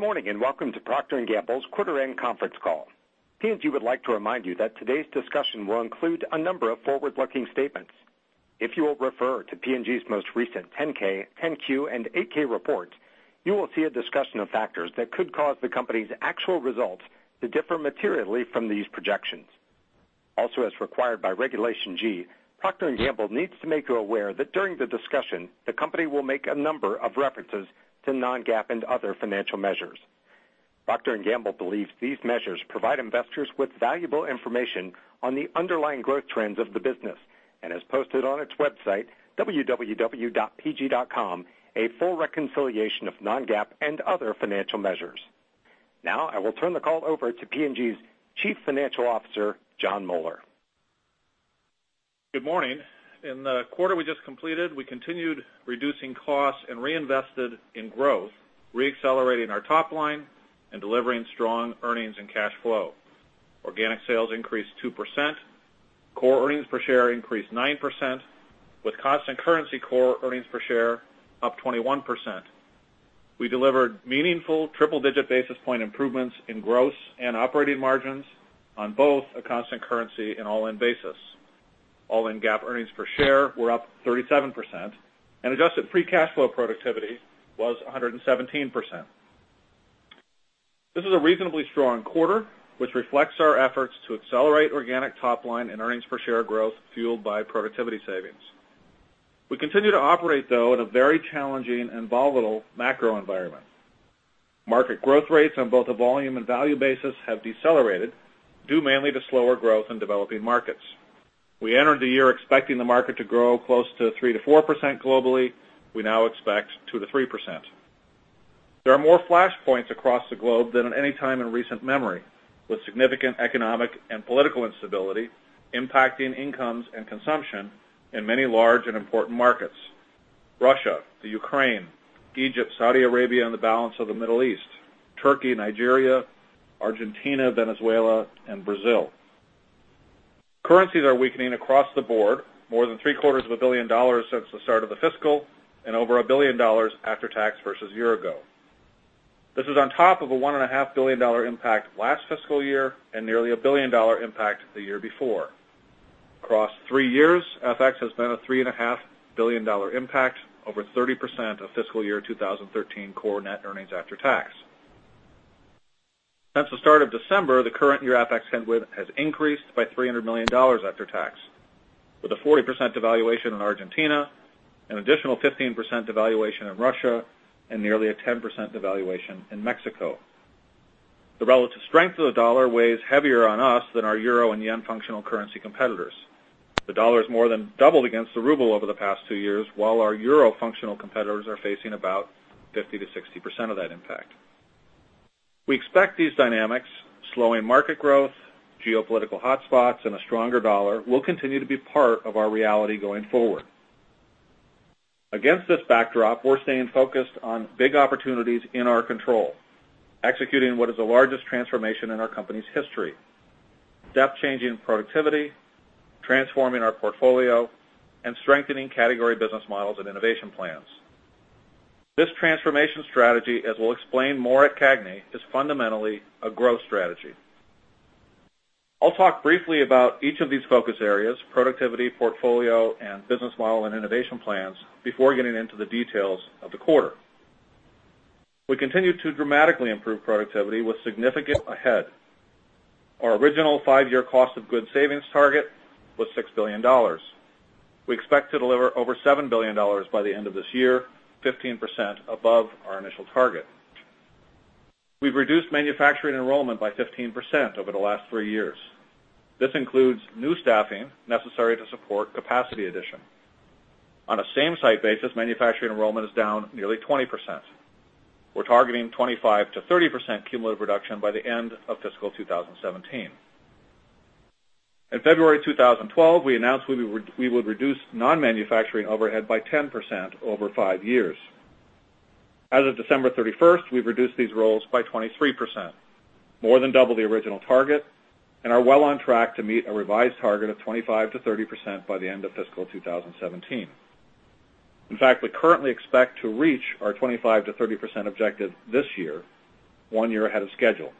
Good morning, and welcome to Procter & Gamble's quarter end conference call. P&G would like to remind you that today's discussion will include a number of forward-looking statements. If you will refer to Procter & Gamble's most recent 10-K, 10-Q, and 8-K report, you will see a discussion of factors that could cause the company's actual results to differ materially from these projections. Also, as required by Regulation G, Procter & Gamble needs to make you aware that during the discussion, the company will make a number of references to non-GAAP and other financial measures. Procter & Gamble believes these measures provide investors with valuable information on the underlying growth trends of the business, and has posted on its website, www.pg.com, a full reconciliation of non-GAAP and other financial measures. Now I will turn the call over to P&G's Chief Financial Officer, Jon Moeller. Good morning. In the quarter we just completed, we continued reducing costs and reinvested in growth, re-accelerating our top line and delivering strong earnings and cash flow. Organic sales increased 2%. Core earnings per share increased 9%, with constant currency core earnings per share up 21%. We delivered meaningful triple-digit basis point improvements in gross and operating margins on both a constant currency and all-in basis. All-in GAAP earnings per share were up 37%, and adjusted free cash flow productivity was 117%. This is a reasonably strong quarter, which reflects our efforts to accelerate organic top line and earnings per share growth fueled by productivity savings. We continue to operate, though, in a very challenging and volatile macro environment. Market growth rates on both a volume and value basis have decelerated, due mainly to slower growth in developing markets. We entered the year expecting the market to grow close to 3%-4% globally. We now expect 2%-3%. There are more flashpoints across the globe than at any time in recent memory, with significant economic and political instability impacting incomes and consumption in many large and important markets. Russia, the Ukraine, Egypt, Saudi Arabia, and the balance of the Middle East, Turkey, Nigeria, Argentina, Venezuela and Brazil. Currencies are weakening across the board, more than three-quarters of a billion dollars since the start of the fiscal, and over $1 billion after tax versus year ago. This is on top of a $1.5 billion impact last fiscal year, and nearly a $1 billion impact the year before. Across three years, FX has been a $3.5 billion impact, over 30% of fiscal year 2013 core net earnings after tax. Since the start of December, the current year FX headwind has increased by $300 million after tax, with a 40% devaluation in Argentina, an additional 15% devaluation in Russia, and nearly a 10% devaluation in Mexico. The relative strength of the dollar weighs heavier on us than our euro and yen functional currency competitors. The dollar has more than doubled against the ruble over the past two years, while our euro functional competitors are facing about 50%-60% of that impact. We expect these dynamics, slowing market growth, geopolitical hotspots, and a stronger dollar will continue to be part of our reality going forward. Against this backdrop, we're staying focused on big opportunities in our control, executing what is the largest transformation in our company's history. Step changing productivity, transforming our portfolio, and strengthening category business models and innovation plans. This transformation strategy, as we'll explain more at CAGNY, is fundamentally a growth strategy. I'll talk briefly about each of these focus areas, productivity, portfolio, and business model and innovation plans, before getting into the details of the quarter. We continue to dramatically improve productivity with significant ahead. Our original five-year cost of goods savings target was $6 billion. We expect to deliver over $7 billion by the end of this year, 15% above our initial target. We've reduced manufacturing enrollment by 15% over the last three years. This includes new staffing necessary to support capacity addition. On a same-site basis, manufacturing enrollment is down nearly 20%. We're targeting 25%-30% cumulative reduction by the end of fiscal 2017. In February 2012, we announced we would reduce non-manufacturing overhead by 10% over five years. As of December 31st, we've reduced these roles by 23%, more than double the original target, and are well on track to meet a revised target of 25%-30% by the end of fiscal 2017. In fact, we currently expect to reach our 25%-30% objective this year, one year ahead of schedule.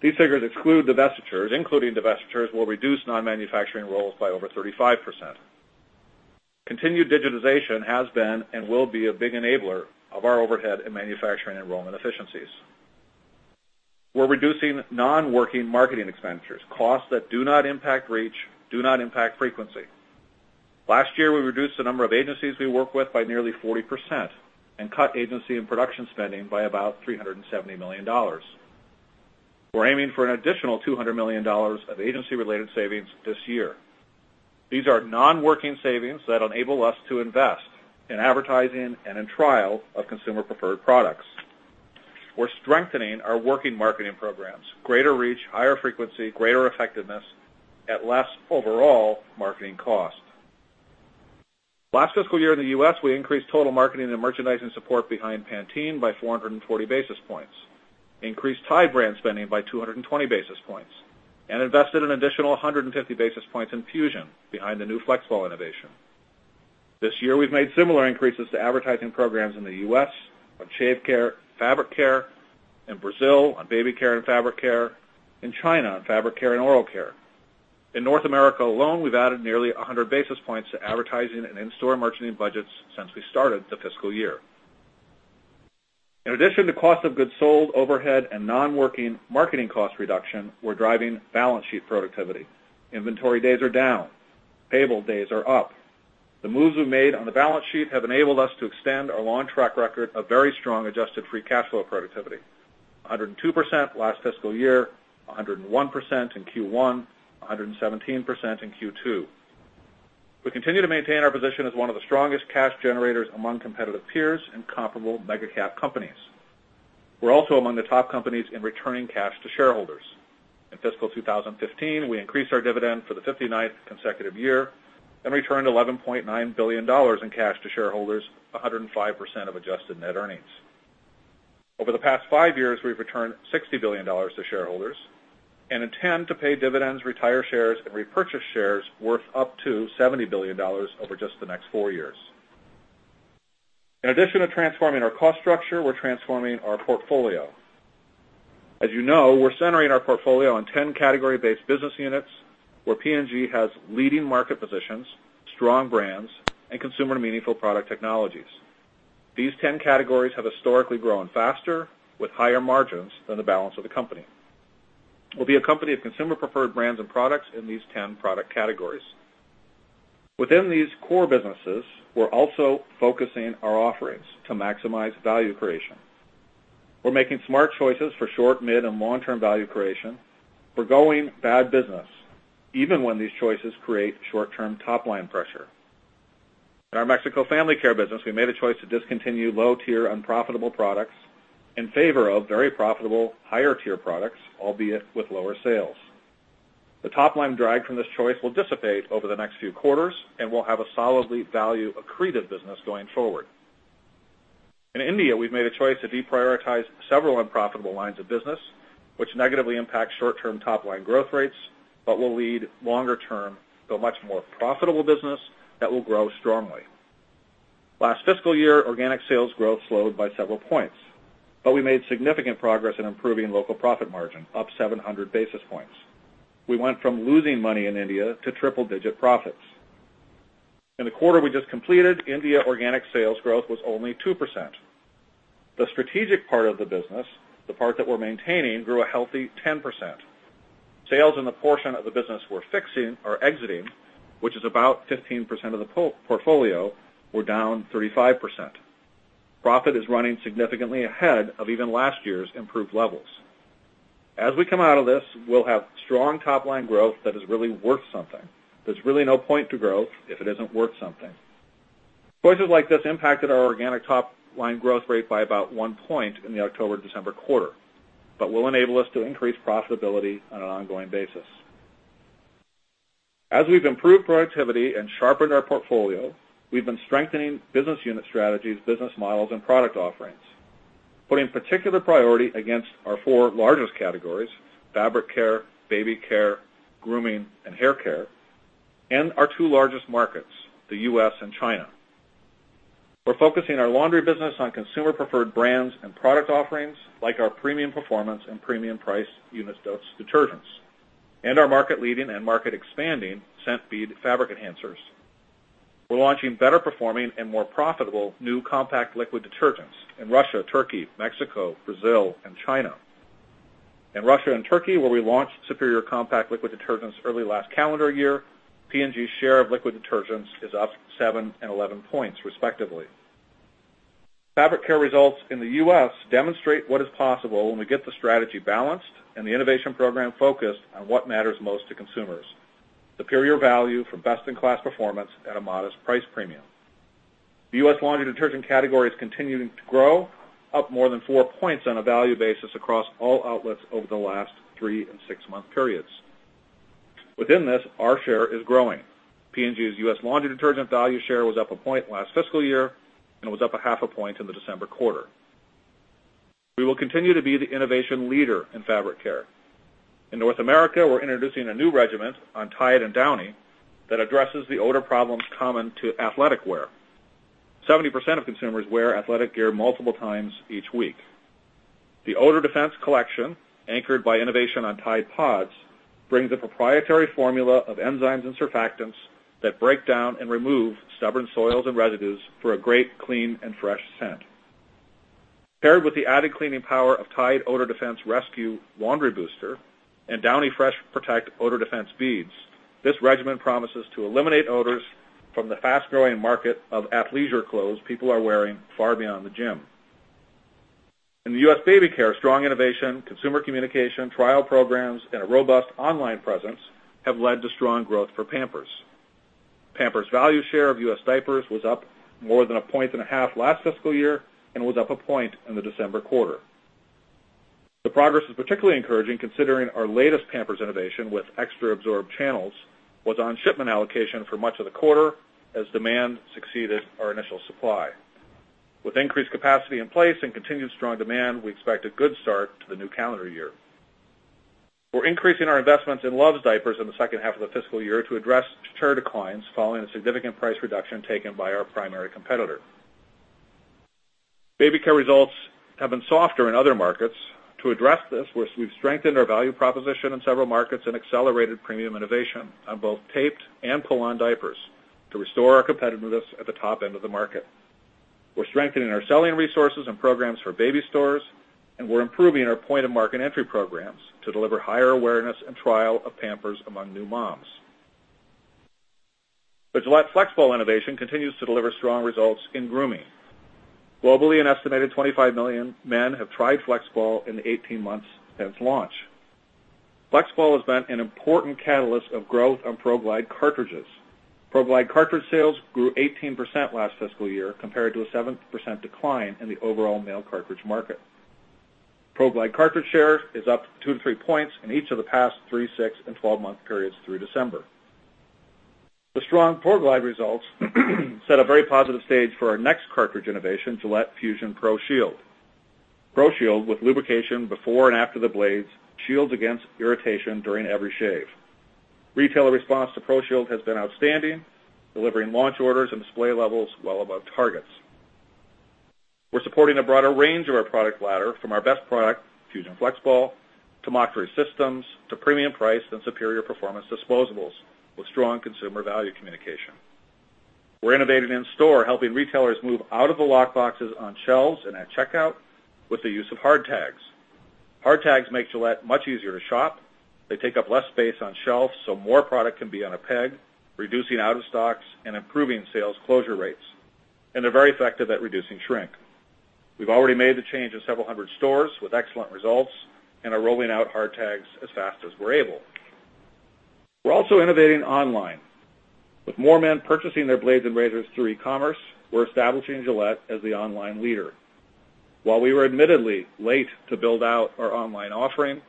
These figures exclude divestitures. Including divestitures, we'll reduce non-manufacturing roles by over 35%. Continued digitization has been and will be a big enabler of our overhead and manufacturing enrollment efficiencies. We're reducing non-working marketing expenditures, costs that do not impact reach, do not impact frequency. Last year, we reduced the number of agencies we work with by nearly 40% and cut agency and production spending by about $370 million. We're aiming for an additional $200 million of agency-related savings this year. These are non-working savings that enable us to invest in advertising and in trial of consumer-preferred products. We're strengthening our working marketing programs. Greater reach, higher frequency, greater effectiveness at less overall marketing cost. Last fiscal year in the U.S., we increased total marketing and merchandising support behind Pantene by 440 basis points, increased Tide brand spending by 220 basis points, and invested an additional 150 basis points in Fusion behind the new FlexBall innovation. This year, we've made similar increases to advertising programs in the U.S. on shave care, fabric care; in Brazil on baby care and fabric care; in China on fabric care and oral care. In North America alone, we've added nearly 100 basis points to advertising and in-store merchandising budgets since we started the fiscal year. In addition to cost of goods sold, overhead, and non-working marketing cost reduction, we're driving balance sheet productivity. Inventory days are down. Payable days are up. The moves we've made on the balance sheet have enabled us to extend our long track record of very strong adjusted free cash flow productivity, 102% last fiscal year, 101% in Q1, 117% in Q2. We continue to maintain our position as one of the strongest cash generators among competitive peers and comparable mega-cap companies. We're also among the top companies in returning cash to shareholders. In fiscal 2015, we increased our dividend for the 59th consecutive year and returned $11.9 billion in cash to shareholders, 105% of adjusted net earnings. Over the past five years, we've returned $60 billion to shareholders and intend to pay dividends, retire shares, and repurchase shares worth up to $70 billion over just the next four years. In addition to transforming our cost structure, we're transforming our portfolio. As you know, we're centering our portfolio on 10 category-based business units where P&G has leading market positions, strong brands, and consumer meaningful product technologies. These 10 categories have historically grown faster with higher margins than the balance of the company. We'll be a company of consumer preferred brands and products in these 10 product categories. Within these core businesses, we're also focusing our offerings to maximize value creation. We're making smart choices for short, mid, and long-term value creation. We're going bad business, even when these choices create short-term top-line pressure. In our Mexico family care business, we made a choice to discontinue low-tier unprofitable products in favor of very profitable higher-tier products, albeit with lower sales. The top-line drag from this choice will dissipate over the next few quarters, and we'll have a solidly value accretive business going forward. In India, we've made a choice to deprioritize several unprofitable lines of business, which negatively impacts short-term top-line growth rates, but will lead longer term to a much more profitable business that will grow strongly. Last fiscal year, organic sales growth slowed by several points, but we made significant progress in improving local profit margin, up 700 basis points. We went from losing money in India to triple-digit profits. In the quarter we just completed, India organic sales growth was only 2%. The strategic part of the business, the part that we're maintaining, grew a healthy 10%. Sales in the portion of the business we're fixing or exiting, which is about 15% of the portfolio, were down 35%. Profit is running significantly ahead of even last year's improved levels. As we come out of this, we'll have strong top-line growth that is really worth something. There's really no point to growth if it isn't worth something. Choices like this impacted our organic top-line growth rate by about one point in the October–December quarter, but will enable us to increase profitability on an ongoing basis. As we've improved productivity and sharpened our portfolio, we've been strengthening business unit strategies, business models, and product offerings, putting particular priority against our four largest categories, fabric care, baby care, grooming, and hair care, and our two largest markets, the U.S. and China. We're focusing our laundry business on consumer preferred brands and product offerings like our premium performance and premium price uni-dose detergents, and our market leading and market expanding scent bead fabric enhancers. We're launching better performing and more profitable new compact liquid detergents in Russia, Turkey, Mexico, Brazil, and China. In Russia and Turkey, where we launched superior compact liquid detergents early last calendar year, P&G's share of liquid detergents is up seven and 11 points respectively. Fabric care results in the U.S. demonstrate what is possible when we get the strategy balanced and the innovation program focused on what matters most to consumers: superior value for best-in-class performance at a modest price premium. The U.S. laundry detergent category is continuing to grow, up more than four points on a value basis across all outlets over the last three and six-month periods. Within this, our share is growing. P&G's U.S. laundry detergent value share was up a point last fiscal year and was up a half a point in the December quarter. We will continue to be the innovation leader in fabric care. In North America, we're introducing a new regimen on Tide and Downy that addresses the odor problems common to athletic wear. 70% of consumers wear athletic gear multiple times each week. The Odor Defense collection, anchored by innovation on Tide PODS, brings a proprietary formula of enzymes and surfactants that break down and remove stubborn soils and residues for a great clean and fresh scent. Paired with the added cleaning power of Tide Odor Rescue laundry booster and Downy Fresh Protect Odor Defense beads, this regimen promises to eliminate odors from the fast-growing market of athleisure clothes people are wearing far beyond the gym. In the U.S. baby care, strong innovation, consumer communication, trial programs, and a robust online presence have led to strong growth for Pampers. Pampers' value share of U.S. diapers was up more than a point and a half last fiscal year and was up a point in the December quarter. The progress is particularly encouraging considering our latest Pampers innovation with Extra Absorb Channels was on shipment allocation for much of the quarter as demand succeeded our initial supply. With increased capacity in place and continued strong demand, we expect a good start to the new calendar year. We're increasing our investments in Luvs diapers in the second half of the fiscal year to address share declines following a significant price reduction taken by our primary competitor. Baby care results have been softer in other markets. To address this, we've strengthened our value proposition in several markets and accelerated premium innovation on both taped and pull-on diapers to restore our competitiveness at the top end of the market. We're strengthening our selling resources and programs for baby stores, and we're improving our point-of-market entry programs to deliver higher awareness and trial of Pampers among new moms. The Gillette FlexBall innovation continues to deliver strong results in grooming. Globally, an estimated 25 million men have tried FlexBall in the 18 months since launch. FlexBall has been an important catalyst of growth on ProGlide cartridges. ProGlide cartridge sales grew 18% last fiscal year, compared to a 7% decline in the overall male cartridge market. ProGlide cartridge share is up two to three points in each of the past three, six, and 12-month periods through December. The strong ProGlide results set a very positive stage for our next cartridge innovation, Gillette Fusion ProShield. ProShield, with lubrication before and after the blades, shields against irritation during every shave. Retailer response to ProShield has been outstanding, delivering launch orders and display levels well above targets. We're supporting a broader range of our product ladder from our best product, Fusion FlexBall, to Mach3 systems, to premium price and superior performance disposables with strong consumer value communication. We're innovating in store, helping retailers move out of the lock boxes on shelves and at checkout with the use of hard tags. Hard tags make Gillette much easier to shop. They take up less space on shelves, so more product can be on a peg, reducing out-of-stocks and improving sales closure rates. They're very effective at reducing shrink. We've already made the change in several hundred stores with excellent results and are rolling out hard tags as fast as we're able. We're also innovating online. With more men purchasing their blades and razors through e-commerce, we're establishing Gillette as the online leader. While we were admittedly late to build out our online offering,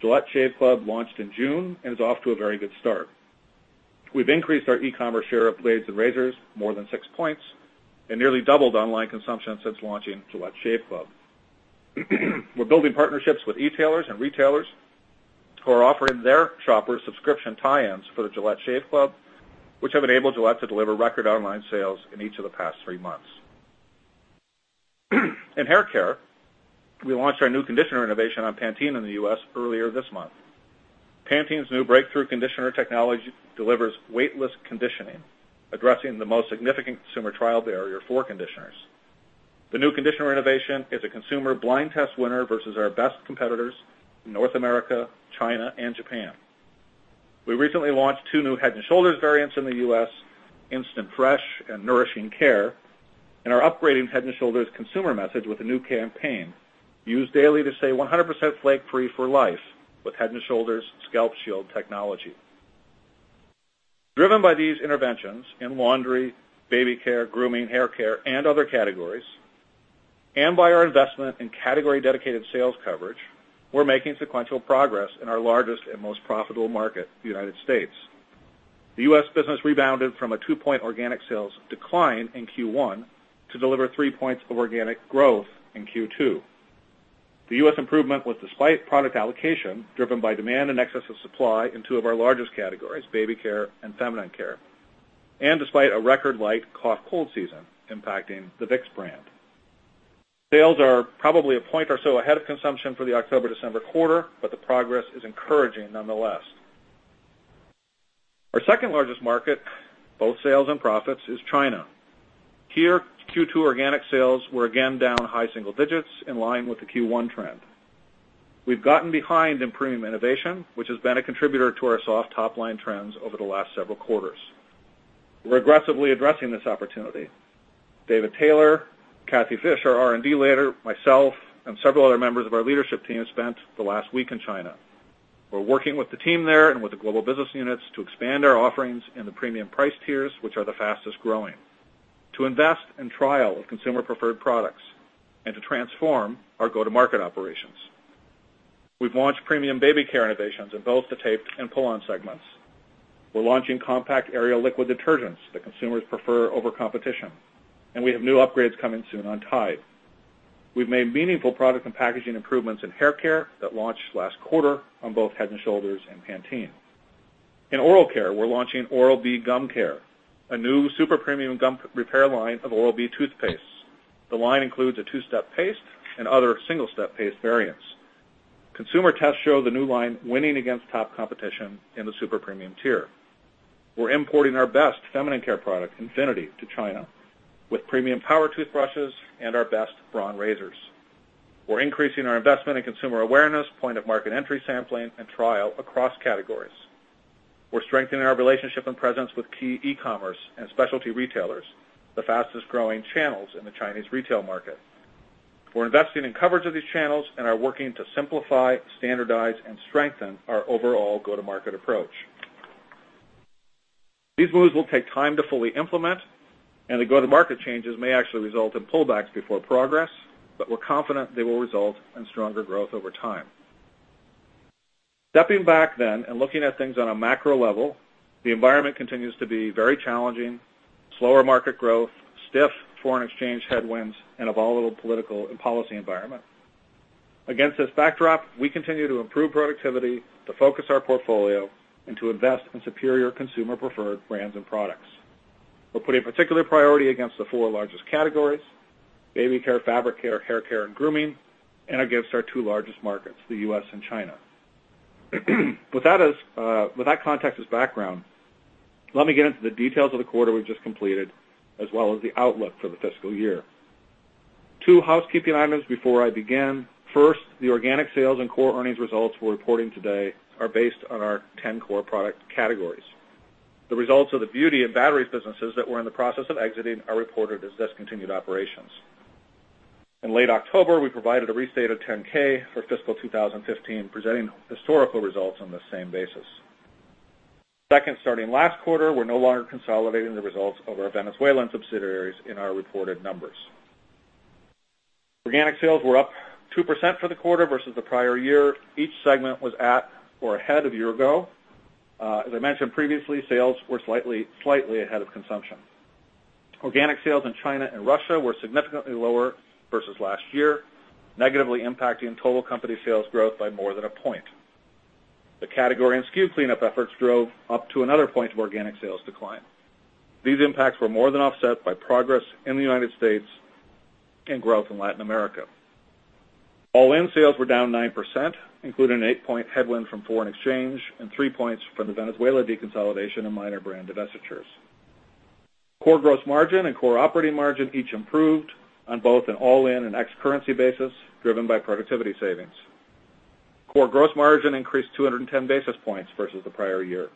Gillette Shave Club launched in June and is off to a very good start. We've increased our e-commerce share of blades and razors more than 6 points and nearly doubled online consumption since launching Gillette Shave Club. We're building partnerships with e-tailers and retailers who are offering their shoppers subscription tie-ins for the Gillette Shave Club, which have enabled Gillette to deliver record online sales in each of the past 3 months. In hair care, we launched our new conditioner innovation on Pantene in the U.S. earlier this month. Pantene's new breakthrough conditioner technology delivers weightless conditioning, addressing the most significant consumer trial barrier for conditioners. The new conditioner innovation is a consumer blind test winner versus our best competitors in North America, China, and Japan. We recently launched two new Head & Shoulders variants in the U.S., Instant Fresh and Nourishing Care, and are upgrading Head & Shoulders consumer message with a new campaign used daily to stay 100% flake-free for life with Head & Shoulders Scalp Shield technology. Driven by these interventions in laundry, baby care, grooming, hair care, and other categories, and by our investment in category-dedicated sales coverage, we're making sequential progress in our largest and most profitable market, the United States. The U.S. business rebounded from a two-point organic sales decline in Q1 to deliver three points of organic growth in Q2. The U.S. improvement was despite product allocation, driven by demand in excess of supply in two of our largest categories, baby care and feminine care, and despite a record light cough-cold season impacting the Vicks brand. Sales are probably a point or so ahead of consumption for the October-December quarter, but the progress is encouraging nonetheless. Our second largest market, both sales and profits, is China. Here, Q2 organic sales were again down high single digits, in line with the Q1 trend. We've gotten behind in premium innovation, which has been a contributor to our soft top-line trends over the last several quarters. We're aggressively addressing this opportunity. David Taylor, Kathy Fish, our R&D leader, myself, and several other members of our leadership team spent the last week in China. We're working with the team there and with the global business units to expand our offerings in the premium price tiers, which are the fastest-growing, to invest in trial of consumer-preferred products, and to transform our go-to-market operations. We've launched premium baby care innovations in both the taped and pull-on segments. We're launching compact Ariel liquid detergents that consumers prefer over competition, and we have new upgrades coming soon on Tide. We've made meaningful product and packaging improvements in hair care that launched last quarter on both Head & Shoulders and Pantene. In oral care, we're launching Oral-B Gum Care, a new super premium gum repair line of Oral-B toothpaste. The line includes a two-step paste and other single-step paste variants. Consumer tests show the new line winning against top competition in the super premium tier. We're importing our best feminine care product, Always Infinity, to China, with premium power toothbrushes and our best Braun razors. We're increasing our investment in consumer awareness, point-of-market entry sampling, and trial across categories. We're strengthening our relationship and presence with key e-commerce and specialty retailers, the fastest-growing channels in the Chinese retail market. We're investing in coverage of these channels and are working to simplify, standardize, and strengthen our overall go-to-market approach. These moves will take time to fully implement, and the go-to-market changes may actually result in pullbacks before progress. We're confident they will result in stronger growth over time. Stepping back and looking at things on a macro level, the environment continues to be very challenging. Slower market growth, stiff foreign exchange headwinds, and a volatile political and policy environment. Against this backdrop, we continue to improve productivity, to focus our portfolio, and to invest in superior consumer-preferred brands and products. We're putting particular priority against the four largest categories, baby care, fabric care, hair care, and grooming, and against our two largest markets, the U.S. and China. With that context as background, let me get into the details of the quarter we've just completed, as well as the outlook for the fiscal year. Two housekeeping items before I begin. First, the organic sales and core earnings results we're reporting today are based on our 10 core product categories. The results of the beauty and battery businesses that we're in the process of exiting are reported as discontinued operations. In late October, we provided a restated 10-K for fiscal 2015, presenting historical results on the same basis. Second, starting last quarter, we're no longer consolidating the results of our Venezuelan subsidiaries in our reported numbers. Organic sales were up 2% for the quarter versus the prior year. Each segment was at or ahead of year-ago. As I mentioned previously, sales were slightly ahead of consumption. Organic sales in China and Russia were significantly lower versus last year, negatively impacting total company sales growth by more than a point. The category and SKU cleanup efforts drove up to another point of organic sales decline. These impacts were more than offset by progress in the United States and growth in Latin America. All-in sales were down 9%, including an eight-point headwind from foreign exchange and three points from the Venezuela deconsolidation and minor brand divestitures. Core gross margin and core operating margin each improved on both an all-in and ex currency basis, driven by productivity savings. Core gross margin increased 210 basis points versus the prior year.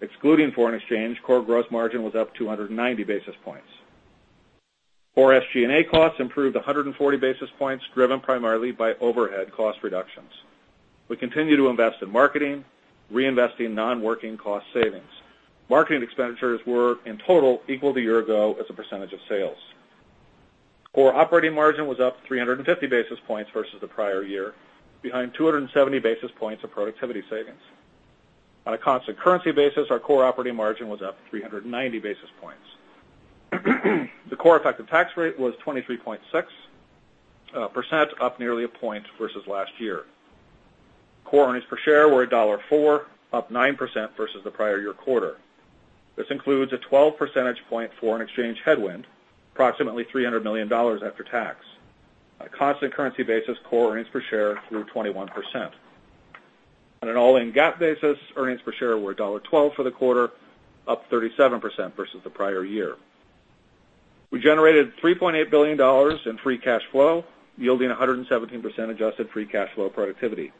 Excluding foreign exchange, core gross margin was up 290 basis points. Core SG&A costs improved 140 basis points, driven primarily by overhead cost reductions. We continue to invest in marketing, reinvesting non-working cost savings. Marketing expenditures were, in total, equal to year-ago as a percentage of sales. Core operating margin was up 350 basis points versus the prior year, behind 270 basis points of productivity savings. On a constant currency basis, our core operating margin was up 390 basis points. The core effective tax rate was 23.6%, up nearly a point versus last year. Core earnings per share were $1.04, up 9% versus the prior year quarter. This includes a 12 percentage point foreign exchange headwind, approximately $300 million after tax. On a constant currency basis, core earnings per share grew 21%. On an all-in GAAP basis, earnings per share were $1.12 for the quarter, up 37% versus the prior year. We generated $3.8 billion in free cash flow, yielding 117% adjusted free cash flow productivity.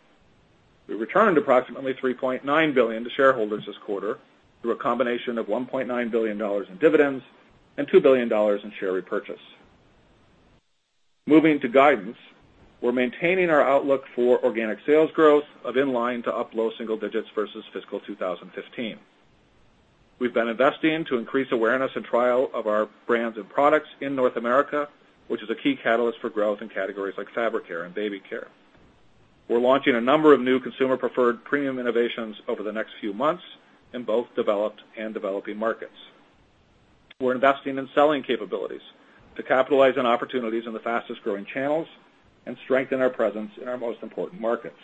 We returned approximately $3.9 billion to shareholders this quarter through a combination of $1.9 billion in dividends and $2 billion in share repurchase. Moving to guidance, we're maintaining our outlook for organic sales growth of in line to up low single digits versus fiscal 2015. We've been investing to increase awareness and trial of our brands and products in North America, which is a key catalyst for growth in categories like fabric care and baby care. We're launching a number of new consumer-preferred premium innovations over the next few months in both developed and developing markets. We're investing in selling capabilities to capitalize on opportunities in the fastest-growing channels and strengthen our presence in our most important markets.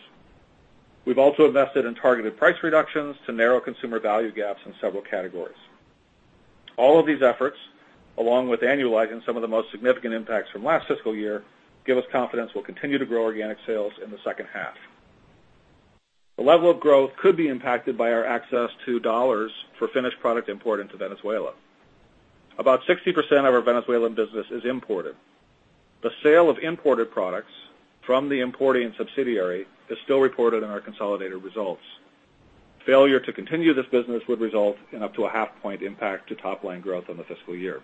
We've also invested in targeted price reductions to narrow consumer value gaps in several categories. All of these efforts, along with annualizing some of the most significant impacts from last fiscal year, give us confidence we'll continue to grow organic sales in the second half. The level of growth could be impacted by our access to dollars for finished product import into Venezuela. About 60% of our Venezuelan business is imported. The sale of imported products from the importing subsidiary is still reported in our consolidated results. Failure to continue this business would result in up to a half-point impact to top-line growth on the fiscal year.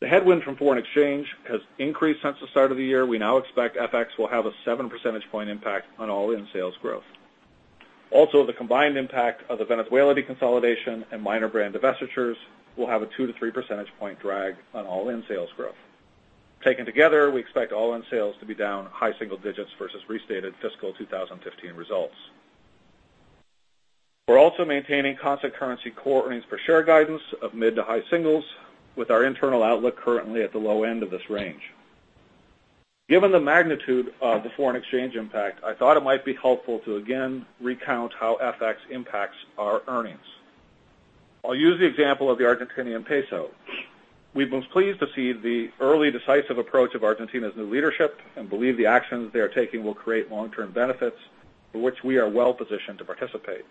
The headwind from foreign exchange has increased since the start of the year. We now expect FX will have a 7 percentage point impact on all-in sales growth. Also, the combined impact of the Venezuela deconsolidation and minor brand divestitures will have a 2 to 3 percentage point drag on all-in sales growth. Taken together, we expect all-in sales to be down high single digits versus restated fiscal 2015 results. We're also maintaining constant currency core earnings per share guidance of mid to high singles, with our internal outlook currently at the low end of this range. Given the magnitude of the foreign exchange impact, I thought it might be helpful to again recount how FX impacts our earnings. I'll use the example of the Argentinian peso. We've been pleased to see the early decisive approach of Argentina's new leadership and believe the actions they are taking will create long-term benefits for which we are well positioned to participate.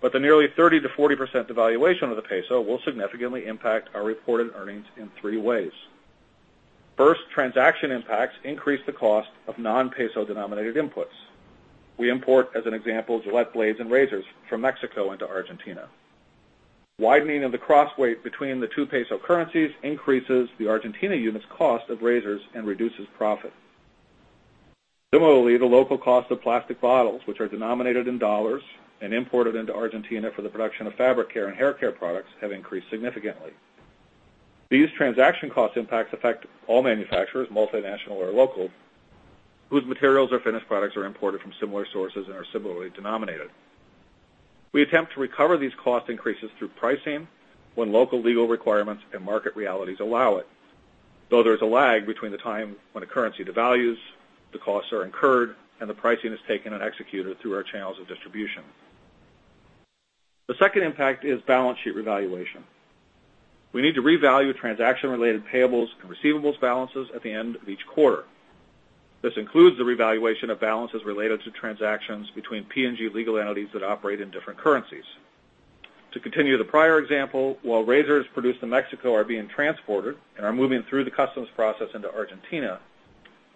The nearly 30%-40% devaluation of the peso will significantly impact our reported earnings in 3 ways. First, transaction impacts increase the cost of non-peso denominated inputs. We import, as an example, Gillette blades and razors from Mexico into Argentina. Widening of the cross rate between the 2 peso currencies increases the Argentina unit's cost of razors and reduces profit. Similarly, the local cost of plastic bottles, which are denominated in dollars and imported into Argentina for the production of fabric care and hair care products, have increased significantly. These transaction cost impacts affect all manufacturers, multinational or local, whose materials or finished products are imported from similar sources and are similarly denominated. We attempt to recover these cost increases through pricing when local legal requirements and market realities allow it, though there's a lag between the time when a currency devalues, the costs are incurred, and the pricing is taken and executed through our channels of distribution. The second impact is balance sheet revaluation. We need to revalue transaction-related payables and receivables balances at the end of each quarter. This includes the revaluation of balances related to transactions between P&G legal entities that operate in different currencies. To continue the prior example, while razors produced in Mexico are being transported and are moving through the customs process into Argentina,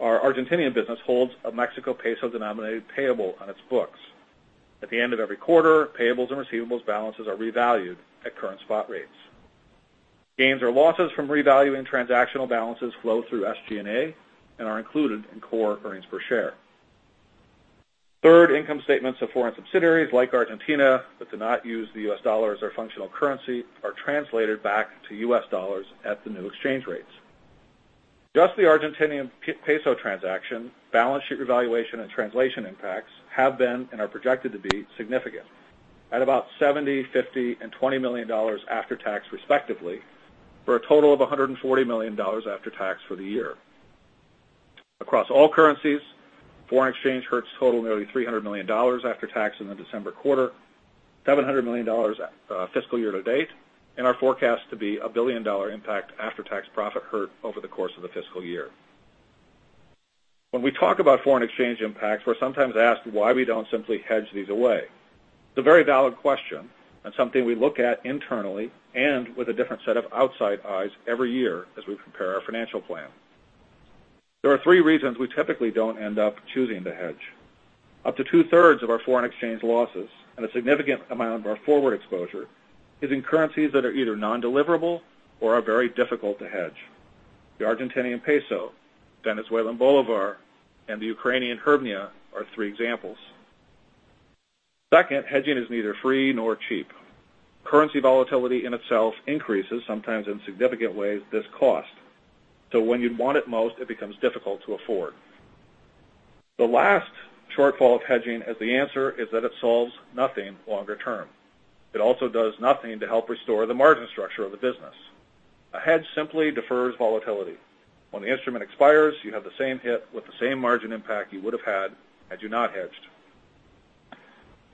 our Argentinian business holds a Mexico peso-denominated payable on its books. At the end of every quarter, payables and receivables balances are revalued at current spot rates. Gains or losses from revaluing transactional balances flow through SG&A and are included in core earnings per share. Third, income statements of foreign subsidiaries like Argentina that do not use the US dollar as their functional currency are translated back to US dollars at the new exchange rates. Just the Argentinian peso transaction, balance sheet revaluation, and translation impacts have been, and are projected to be, significant at about $70, $50, and $20 million after tax, respectively, for a total of $140 million after tax for the year. Across all currencies, foreign exchange hurts total nearly $300 million after tax in the December quarter, $700 million fiscal year to date, and are forecast to be a billion-dollar impact after-tax profit hit over the course of the fiscal year. When we talk about foreign exchange impacts, we're sometimes asked why we don't simply hedge these away. It's a very valid question and something we look at internally and with a different set of outside eyes every year as we prepare our financial plan. There are three reasons we typically don't end up choosing to hedge. Up to two-thirds of our foreign exchange losses and a significant amount of our forward exposure is in currencies that are either non-deliverable or are very difficult to hedge. The Argentinian peso, Venezuelan bolivar, and the Ukrainian hryvnia are three examples. Second, hedging is neither free nor cheap. Currency volatility in itself increases, sometimes in significant ways, this cost, so when you'd want it most, it becomes difficult to afford. The last shortfall of hedging as the answer is that it solves nothing longer term. It also does nothing to help restore the margin structure of the business. A hedge simply defers volatility. When the instrument expires, you have the same hit with the same margin impact you would've had had you not hedged.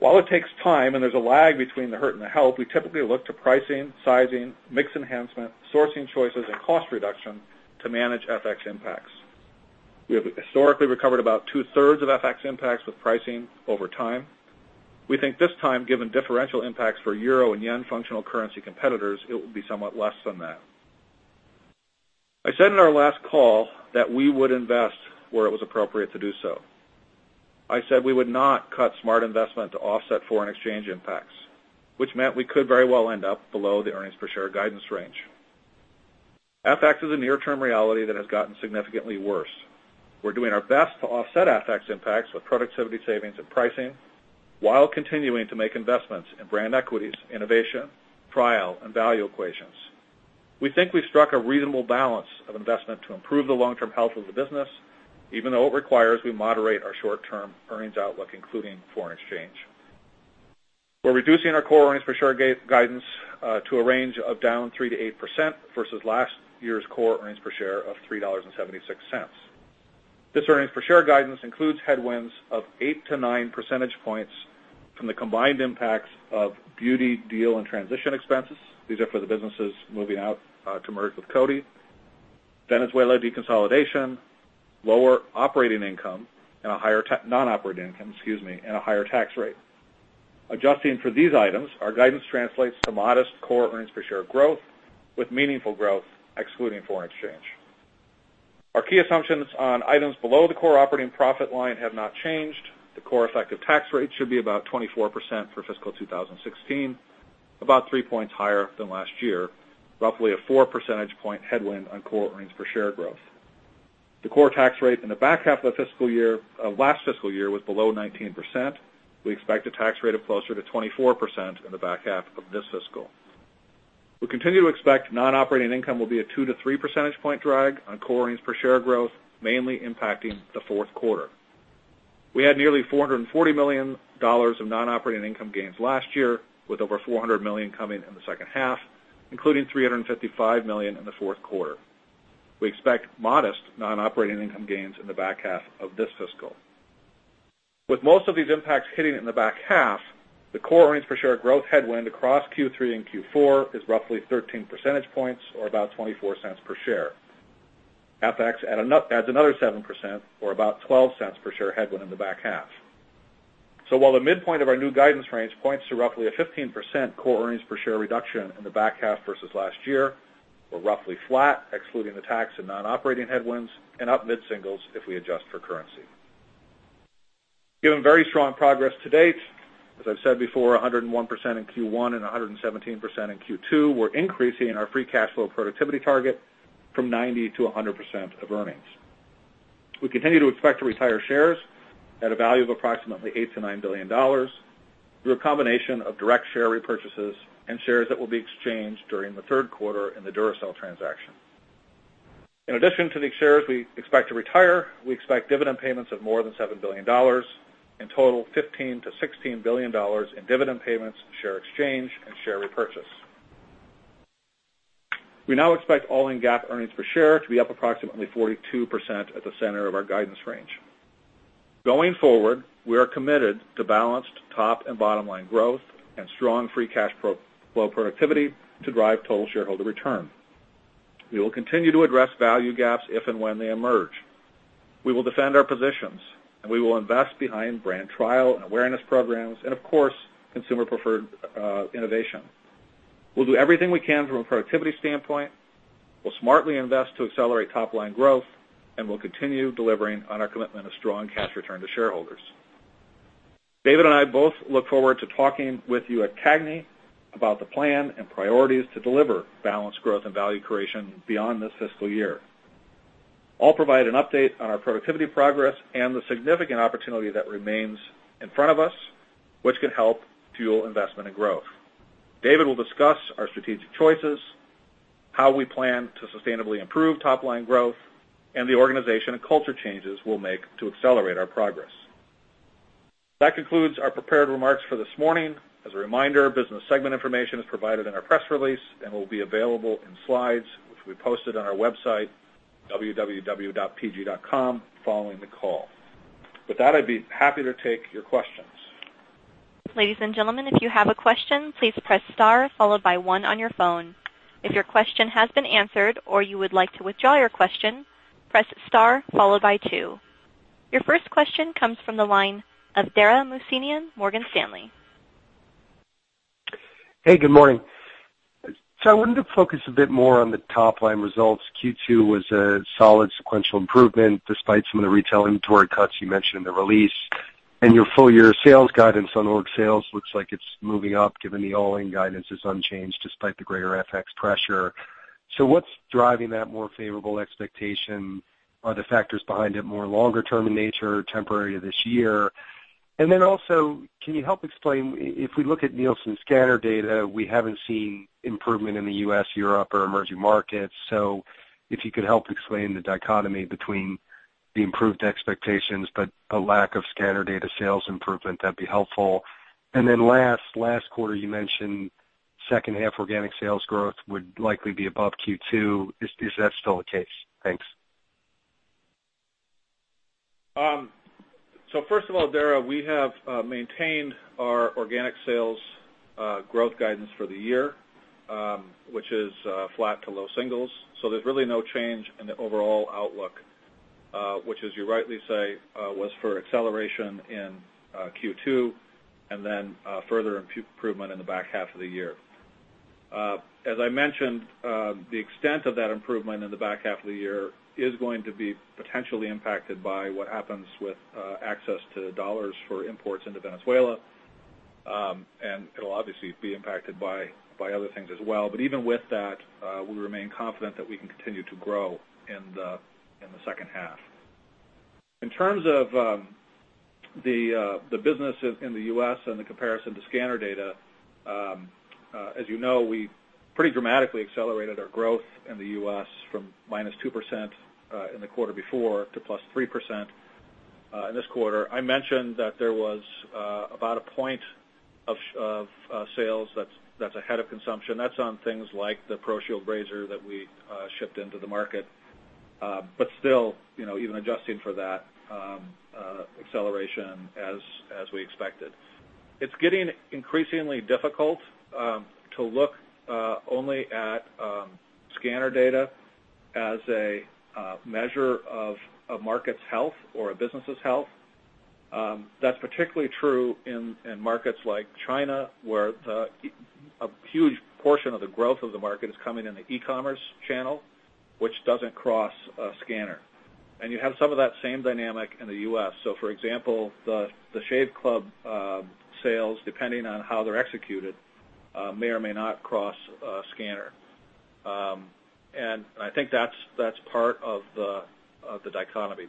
While it takes time and there's a lag between the hurt and the help, we typically look to pricing, sizing, mix enhancement, sourcing choices, and cost reduction to manage FX impacts. We have historically recovered about two-thirds of FX impacts with pricing over time. We think this time, given differential impacts for euro and yen functional currency competitors, it will be somewhat less than that. I said in our last call that we would invest where it was appropriate to do so. I said we would not cut smart investment to offset foreign exchange impacts, which meant we could very well end up below the earnings per share guidance range. FX is a near-term reality that has gotten significantly worse. We're doing our best to offset FX impacts with productivity savings and pricing while continuing to make investments in brand equities, innovation, trial, and value equations. We think we've struck a reasonable balance of investment to improve the long-term health of the business, even though it requires we moderate our short-term earnings outlook, including foreign exchange. We're reducing our core earnings per share guidance to a range of down 3% to 8% versus last year's core earnings per share of $3.76. This earnings per share guidance includes headwinds of eight to nine percentage points from the combined impacts of beauty deal and transition expenses. These are for the businesses moving out to merge with Coty. Venezuela deconsolidation, lower operating income, non-operating income, excuse me, and a higher tax rate. Adjusting for these items, our guidance translates to modest core earnings per share growth with meaningful growth excluding foreign exchange. Our key assumptions on items below the core operating profit line have not changed. The core effective tax rate should be about 24% for fiscal 2016, about three points higher than last year, roughly a four percentage point headwind on core earnings per share growth. The core tax rate in the back half of last fiscal year was below 19%. We expect a tax rate of closer to 24% in the back half of this fiscal. We continue to expect non-operating income will be a two to three percentage point drag on core earnings per share growth, mainly impacting the fourth quarter. We had nearly $440 million of non-operating income gains last year, with over $400 million coming in the second half, including $355 million in the fourth quarter. We expect modest non-operating income gains in the back half of this fiscal. With most of these impacts hitting in the back half, the core earnings per share growth headwind across Q3 and Q4 is roughly 13 percentage points or about $0.24 per share. FX adds another 7%, or about $0.12 per share headwind in the back half. While the midpoint of our new guidance range points to roughly a 15% core earnings per share reduction in the back half versus last year, we're roughly flat excluding the tax and non-operating headwinds and up mid-singles if we adjust for currency. Given very strong progress to date, as I've said before, 101% in Q1 and 117% in Q2, we're increasing our adjusted free cash flow productivity target from 90% to 100% of earnings. We continue to expect to retire shares at a value of approximately $8 billion-$9 billion through a combination of direct share repurchases and shares that will be exchanged during the third quarter in the Duracell transaction. In addition to these shares we expect to retire, we expect dividend payments of more than $7 billion. In total, $15 billion-$16 billion in dividend payments, share exchange, and share repurchase. We now expect all-in GAAP earnings per share to be up approximately 42% at the center of our guidance range. Going forward, we are committed to balanced top and bottom-line growth and strong adjusted free cash flow productivity to drive total shareholder return. We will continue to address value gaps if and when they emerge. We will defend our positions, and we will invest behind brand trial and awareness programs, and of course, consumer-preferred innovation. We'll do everything we can from a productivity standpoint. We'll smartly invest to accelerate top-line growth, and we'll continue delivering on our commitment of strong cash return to shareholders. David and I both look forward to talking with you at CAGNY about the plan and priorities to deliver balanced growth and value creation beyond this fiscal year. I'll provide an update on our productivity progress and the significant opportunity that remains in front of us, which can help fuel investment and growth. David will discuss our strategic choices, how we plan to sustainably improve top-line growth, and the organization and culture changes we'll make to accelerate our progress. That concludes our prepared remarks for this morning. As a reminder, business segment information is provided in our press release and will be available in slides, which we posted on our website, www.pg.com, following the call. With that, I'd be happy to take your questions. Ladies and gentlemen, if you have a question, please press star followed by one on your phone. If your question has been answered or you would like to withdraw your question, press star followed by two. Your first question comes from the line of Dara Mohsenian, Morgan Stanley. Hey, good morning. I wanted to focus a bit more on the top-line results. Your full-year sales guidance on org sales looks like it's moving up given the all-in guidance is unchanged despite the greater FX pressure. What's driving that more favorable expectation? Are the factors behind it more longer-term in nature or temporary to this year? Can you help explain, if we look at Nielsen scanner data, we haven't seen improvement in the U.S., Europe, or emerging markets. If you could help explain the dichotomy between the improved expectations, but a lack of scanner data sales improvement, that'd be helpful. Last, last quarter you mentioned second half organic sales growth would likely be above Q2. Is that still the case? Thanks. First of all, Dara, we have maintained our organic sales growth guidance for the year, which is flat to low singles. There's really no change in the overall outlook, which as you rightly say, was for acceleration in Q2 and then further improvement in the back half of the year. As I mentioned, the extent of that improvement in the back half of the year is going to be potentially impacted by what happens with access to $ for imports into Venezuela, and it'll obviously be impacted by other things as well. Even with that, we remain confident that we can continue to grow in the second half. In terms of the business in the U.S. and the comparison to scanner data, as you know, we pretty dramatically accelerated our growth in the U.S. from -2% in the quarter before to +3% in this quarter. I mentioned that there was about a point of sales that's ahead of consumption. That's on things like the ProShield razor that we shipped into the market. Still, even adjusting for that acceleration as we expected. It's getting increasingly difficult to look only at scanner data as a measure of a market's health or a business's health. That's particularly true in markets like China, where a huge portion of the growth of the market is coming in the e-commerce channel, which doesn't cross a scanner. You have some of that same dynamic in the U.S. For example, The Shave Club sales, depending on how they're executed, may or may not cross a scanner. I think that's part of the dichotomy.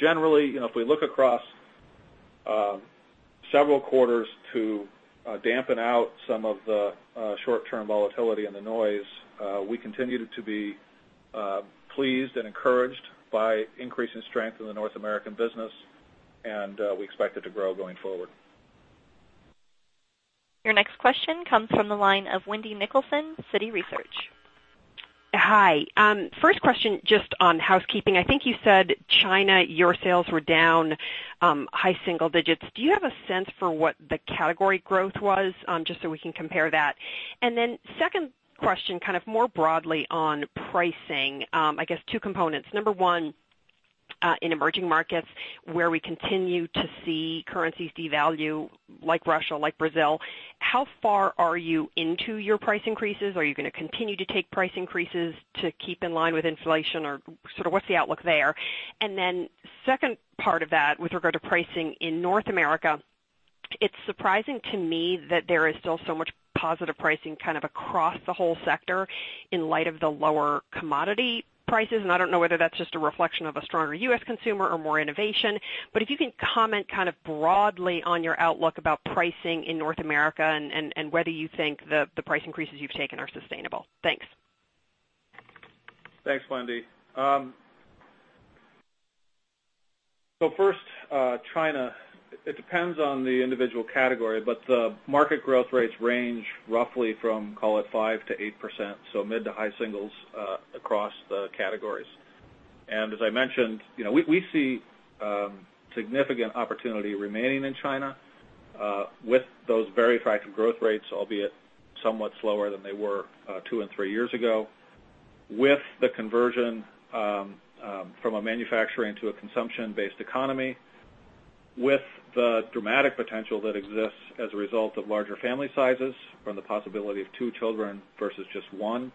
Generally, if we look across several quarters to dampen out some of the short-term volatility and the noise, we continue to be pleased and encouraged by increasing strength in the North American business, we expect it to grow going forward. Your next question comes from the line of Wendy Nicholson, Citi Research. Hi. First question, just on housekeeping. I think you said China, your sales were down high single digits. Do you have a sense for what the category growth was? Just so we can compare that. Second question, more broadly on pricing. I guess two components. Number one, in emerging markets where we continue to see currencies devalue, like Russia, like Brazil, how far are you into your price increases? Are you going to continue to take price increases to keep in line with inflation, or what's the outlook there? Second part of that, with regard to pricing in North America It's surprising to me that there is still so much positive pricing across the whole sector in light of the lower commodity prices, and I don't know whether that's just a reflection of a stronger U.S. consumer or more innovation. If you can comment broadly on your outlook about pricing in North America and whether you think the price increases you've taken are sustainable. Thanks. Thanks, Wendy. First, China. It depends on the individual category, but the market growth rates range roughly from, call it, 5% to 8%, so mid to high singles across the categories. As I mentioned, we see significant opportunity remaining in China with those very attractive growth rates, albeit somewhat slower than they were two and three years ago. With the conversion from a manufacturing to a consumption-based economy, with the dramatic potential that exists as a result of larger family sizes from the possibility of two children versus just one,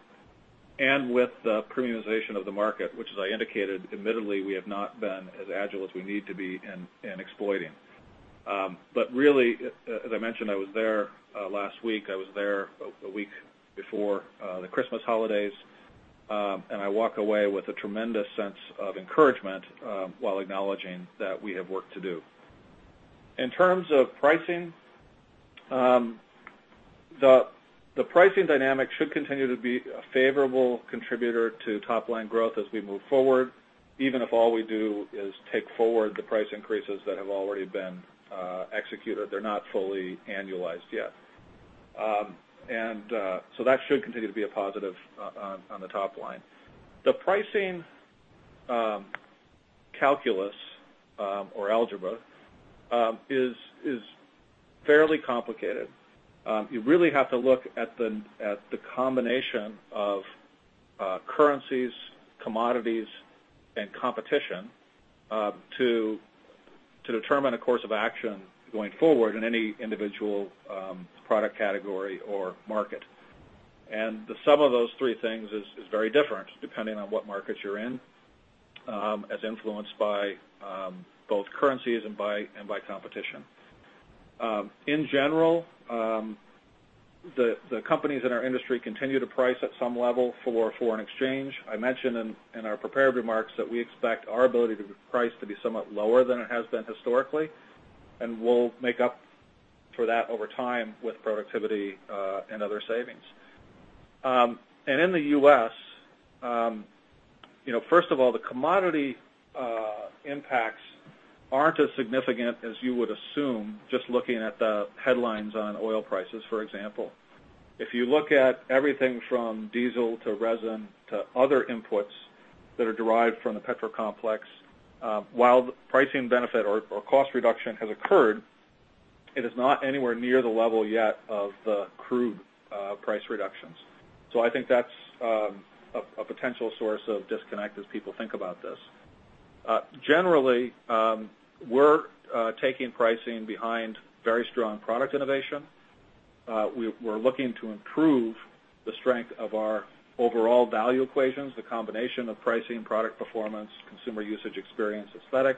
and with the premiumization of the market, which, as I indicated, admittedly, we have not been as agile as we need to be in exploiting. Really, as I mentioned, I was there last week, I was there a week before the Christmas holidays, and I walk away with a tremendous sense of encouragement while acknowledging that we have work to do. In terms of pricing, the pricing dynamic should continue to be a favorable contributor to top-line growth as we move forward, even if all we do is take forward the price increases that have already been executed. They're not fully annualized yet. That should continue to be a positive on the top line. The pricing calculus or algebra is fairly complicated. You really have to look at the combination of currencies, commodities, and competition to determine a course of action going forward in any individual product category or market. The sum of those three things is very different depending on what market you're in, as influenced by both currencies and by competition. In general, the companies in our industry continue to price at some level for foreign exchange. I mentioned in our prepared remarks that we expect our ability to price to be somewhat lower than it has been historically, and we'll make up for that over time with productivity and other savings. In the U.S., first of all, the commodity impacts aren't as significant as you would assume, just looking at the headlines on oil prices, for example. If you look at everything from diesel to resin to other inputs that are derived from the petrol complex, while pricing benefit or cost reduction has occurred, it is not anywhere near the level yet of the crude price reductions. I think that's a potential source of disconnect as people think about this. Generally, we're taking pricing behind very strong product innovation. We're looking to improve the strength of our overall value equations, the combination of pricing, product performance, consumer usage experience, aesthetic.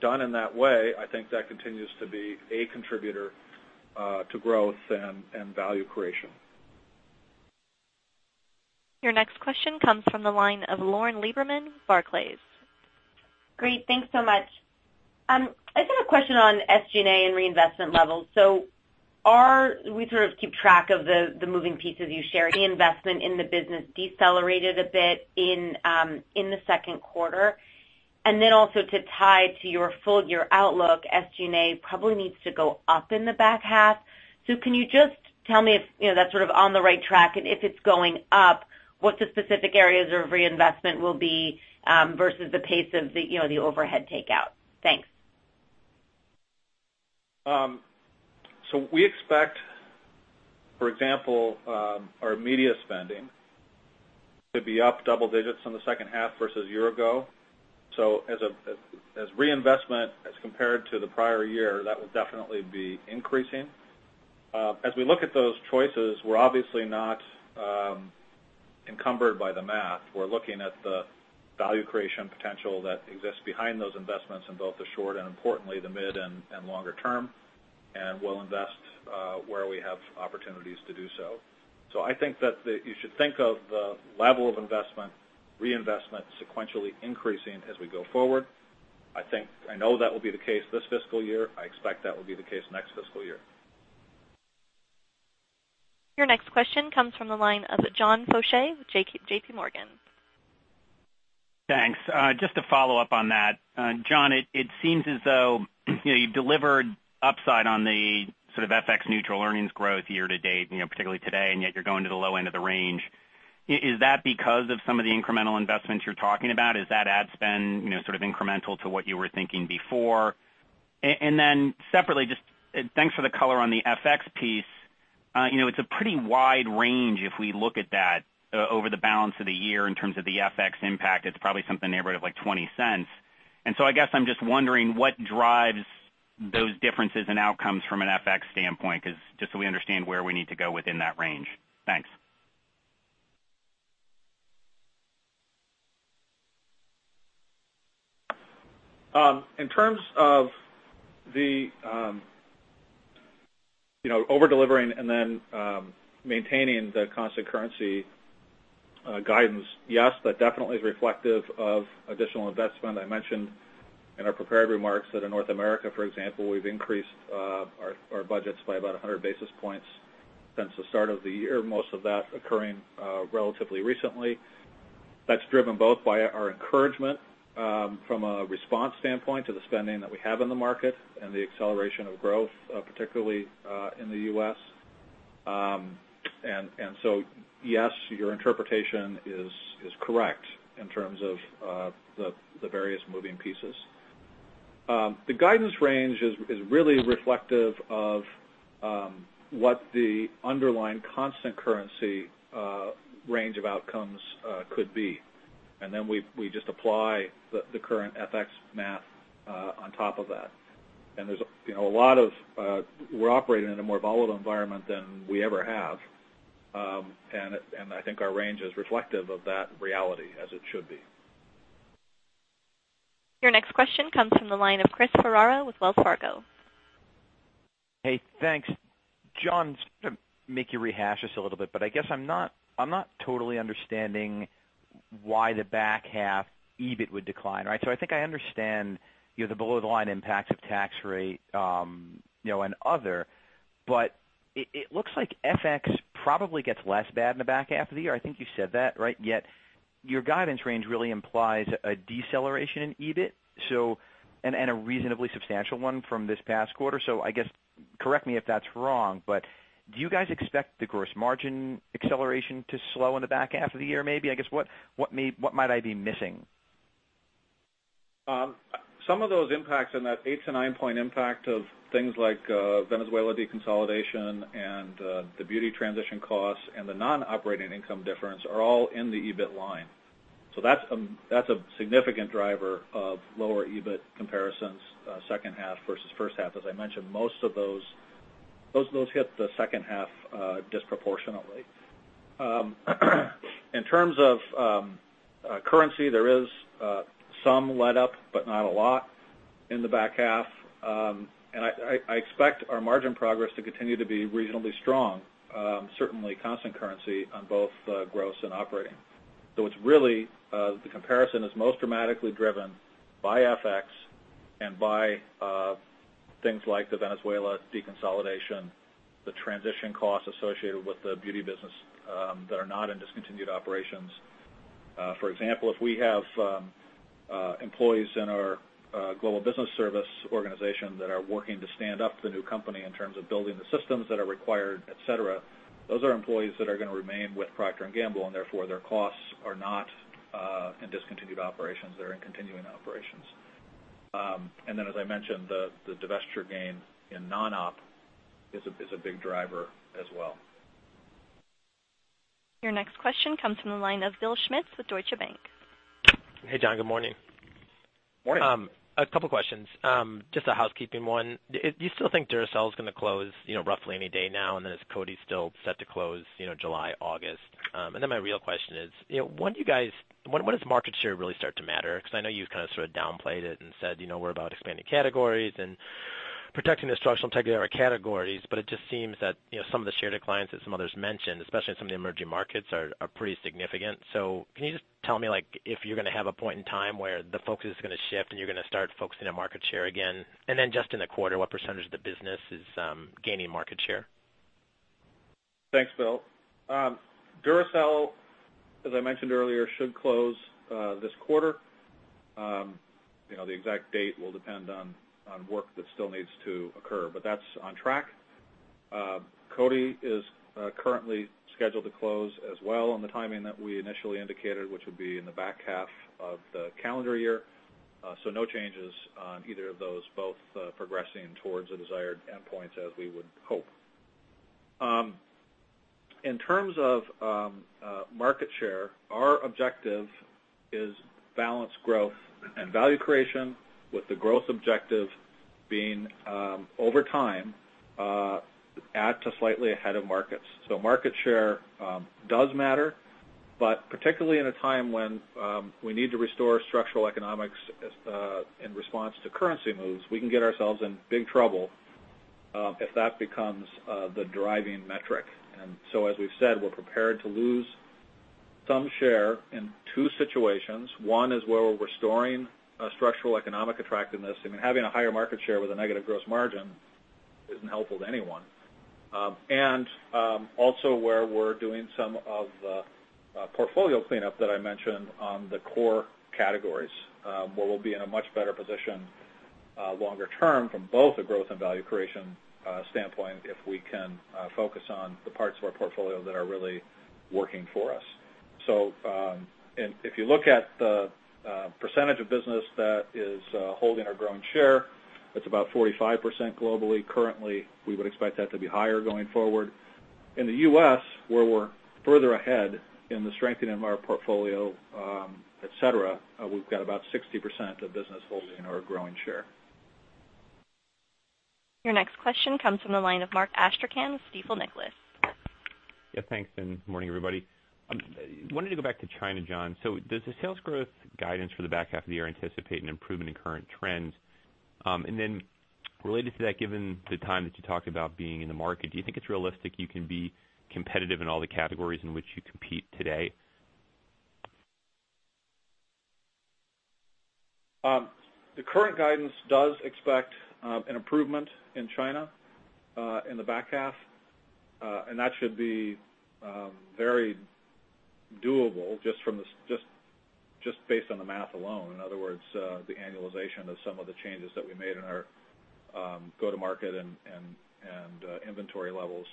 Done in that way, I think that continues to be a contributor to growth and value creation. Your next question comes from the line of Lauren Lieberman, Barclays. Great. Thanks so much. I just have a question on SG&A and reinvestment levels. We sort of keep track of the moving pieces you shared. The investment in the business decelerated a bit in the second quarter. Also to tie to your full-year outlook, SG&A probably needs to go up in the back half. Can you just tell me if that's sort of on the right track, and if it's going up, what the specific areas of reinvestment will be versus the pace of the overhead takeout? Thanks. We expect, for example, our media spending to be up double digits in the second half versus a year ago. As reinvestment as compared to the prior year, that will definitely be increasing. As we look at those choices, we're obviously not encumbered by the math. We're looking at the value creation potential that exists behind those investments in both the short and, importantly, the mid and longer term, and we'll invest where we have opportunities to do so. I think that you should think of the level of investment, reinvestment sequentially increasing as we go forward. I know that will be the case this fiscal year. I expect that will be the case next fiscal year. Your next question comes from the line of John Faucher with JPMorgan. Thanks. Just to follow up on that. John, it seems as though you've delivered upside on the sort of FX neutral earnings growth year to date, particularly today, and yet you're going to the low end of the range. Is that because of some of the incremental investments you're talking about? Is that ad spend sort of incremental to what you were thinking before? Separately, just thanks for the color on the FX piece. It's a pretty wide range if we look at that over the balance of the year in terms of the FX impact. It's probably something in the neighborhood of like $0.20. I guess I'm just wondering what drives those differences in outcomes from an FX standpoint, just so we understand where we need to go within that range. Thanks. In terms of the over-delivering and then maintaining the constant currency guidance, yes, that definitely is reflective of additional investment. I mentioned in our prepared remarks that in North America, for example, we've increased our budgets by about 100 basis points since the start of the year, most of that occurring relatively recently. That's driven both by our encouragement from a response standpoint to the spending that we have in the market and the acceleration of growth, particularly in the U.S. Yes, your interpretation is correct in terms of the various moving pieces. The guidance range is really reflective of what the underlying constant currency range of outcomes could be. Then we just apply the current FX math on top of that. We're operating in a more volatile environment than we ever have. I think our range is reflective of that reality as it should be. Your next question comes from the line of Chris Ferrara with Wells Fargo. Hey, thanks. Jon, to make you rehash this a little bit, but I guess I'm not totally understanding why the back half EBIT would decline. I think I understand the below the line impacts of tax rate, and other, but it looks like FX probably gets less bad in the back half of the year. I think you said that, right? Your guidance range really implies a deceleration in EBIT, and a reasonably substantial one from this past quarter. I guess, correct me if that's wrong, but do you guys expect the gross margin acceleration to slow in the back half of the year, maybe? I guess, what might I be missing? Some of those impacts in that 8 to 9-point impact of things like Venezuela deconsolidation and the beauty transition costs and the non-operating income difference are all in the EBIT line. That's a significant driver of lower EBIT comparisons second half versus first half. I mentioned, most of those hit the second half disproportionately. In terms of currency, there is some letup, but not a lot in the back half. I expect our margin progress to continue to be reasonably strong, certainly constant currency on both gross and operating. The comparison is most dramatically driven by FX and by things like the Venezuela deconsolidation, the transition costs associated with the beauty business that are not in discontinued operations. For example, if we have employees in our global business service organization that are working to stand up the new company in terms of building the systems that are required, et cetera, those are employees that are going to remain with Procter & Gamble, and therefore, their costs are not in discontinued operations. They're in continuing operations. Then as I mentioned, the divestiture gain in non-op is a big driver as well. Your next question comes from the line of Bill Schmitz with Deutsche Bank. Hey, Jon. Good morning. Morning. A couple of questions. Just a housekeeping one. Do you still think Duracell is going to close roughly any day now? Is Coty still set to close July, August? My real question is, when does market share really start to matter? Because I know you've sort of downplayed it and said, we're about expanding categories and protecting the structural integrity of our categories. It just seems that some of the share declines that some others mentioned, especially in some of the emerging markets, are pretty significant. Can you just tell me if you're going to have a point in time where the focus is going to shift and you're going to start focusing on market share again? In the quarter, what % of the business is gaining market share? Thanks, Bill. Duracell, as I mentioned earlier, should close this quarter. The exact date will depend on work that still needs to occur, but that's on track. Coty is currently scheduled to close as well on the timing that we initially indicated, which would be in the back half of the calendar year. No changes on either of those, both progressing towards the desired endpoints as we would hope. In terms of market share, our objective is balanced growth and value creation with the growth objective being, over time, at to slightly ahead of markets. Market share does matter, but particularly in a time when we need to restore structural economics in response to currency moves, we can get ourselves in big trouble if that becomes the driving metric. As we've said, we're prepared to lose some share in two situations. One is where we're restoring a structural economic attractiveness. Having a higher market share with a negative gross margin isn't helpful to anyone. Also where we're doing some of the portfolio cleanup that I mentioned on the core categories, where we'll be in a much better position longer term from both a growth and value creation standpoint if we can focus on the parts of our portfolio that are really working for us. If you look at the percentage of business that is holding or growing share, it's about 45% globally currently. We would expect that to be higher going forward. In the U.S., where we're further ahead in the strengthening of our portfolio, et cetera, we've got about 60% of business holding or growing share. Your next question comes from the line of Mark Astrachan, Stifel Nicolaus. Thanks, and morning, everybody. I wanted to go back to China, John. Does the sales growth guidance for the back half of the year anticipate an improvement in current trends? Then related to that, given the time that you talked about being in the market, do you think it's realistic you can be competitive in all the categories in which you compete today? The current guidance does expect an improvement in China in the back half, that should be very doable just based on the math alone, in other words, the annualization of some of the changes that we made in our go-to market and inventory levels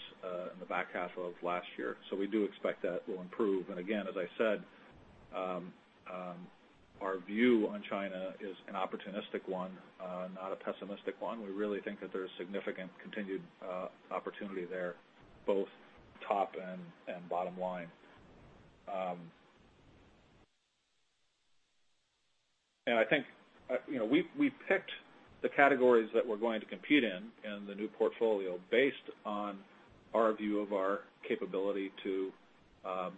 in the back half of last year. We do expect that will improve. Again, as I said, our view on China is an opportunistic one, not a pessimistic one. We really think that there's significant continued opportunity there, both top and bottom line. I think we picked the categories that we're going to compete in in the new portfolio based on our view of our capability to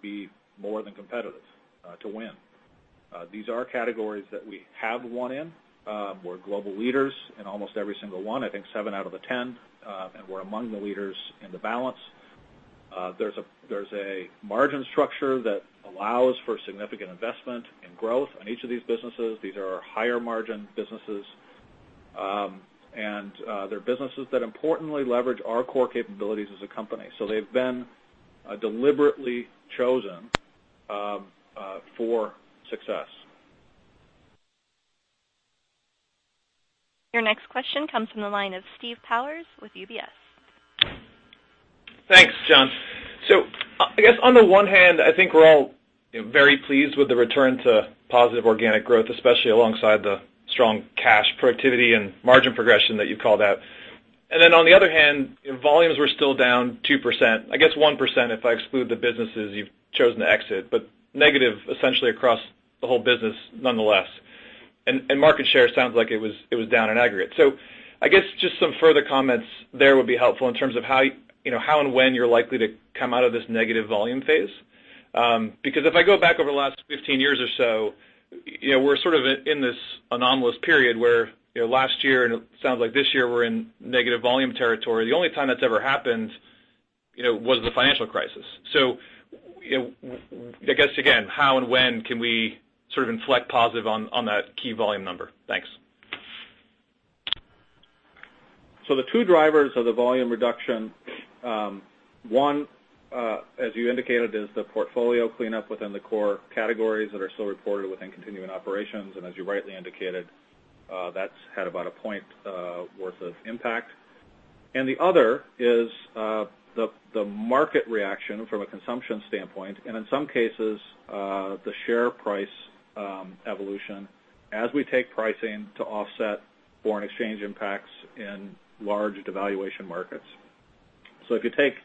be more than competitive to win. These are categories that we have won in. We're global leaders in almost every single one, I think seven out of the 10, and we're among the leaders in the balance. There's a margin structure that allows for significant investment and growth in each of these businesses. These are our higher margin businesses, and they're businesses that importantly leverage our core capabilities as a company. They've been deliberately chosen for success. Your next question comes from the line of Steve Powers with UBS. Thanks, John. I guess on the one hand, I think we're all very pleased with the return to positive organic growth, especially alongside the strong cash productivity and margin progression that you called out. On the other hand, volumes were still down 2%, I guess 1% if I exclude the businesses you've chosen to exit, but negative essentially across the whole business nonetheless. Market share sounds like it was down in aggregate. I guess just some further comments there would be helpful in terms of how and when you're likely to come out of this negative volume phase. Because if I go back over the last 15 years or so, we're sort of in this anomalous period where last year and it sounds like this year we're in negative volume territory. The only time that's ever happened was the financial crisis. I guess again, how and when can we sort of inflect positive on that key volume number? Thanks. The two drivers of the volume reduction, one, as you indicated, is the portfolio cleanup within the core categories that are still reported within continuing operations, and as you rightly indicated, that's had about a point worth of impact. The other is the market reaction from a consumption standpoint, and in some cases, the share price evolution as we take pricing to offset foreign exchange impacts in large devaluation markets. If you take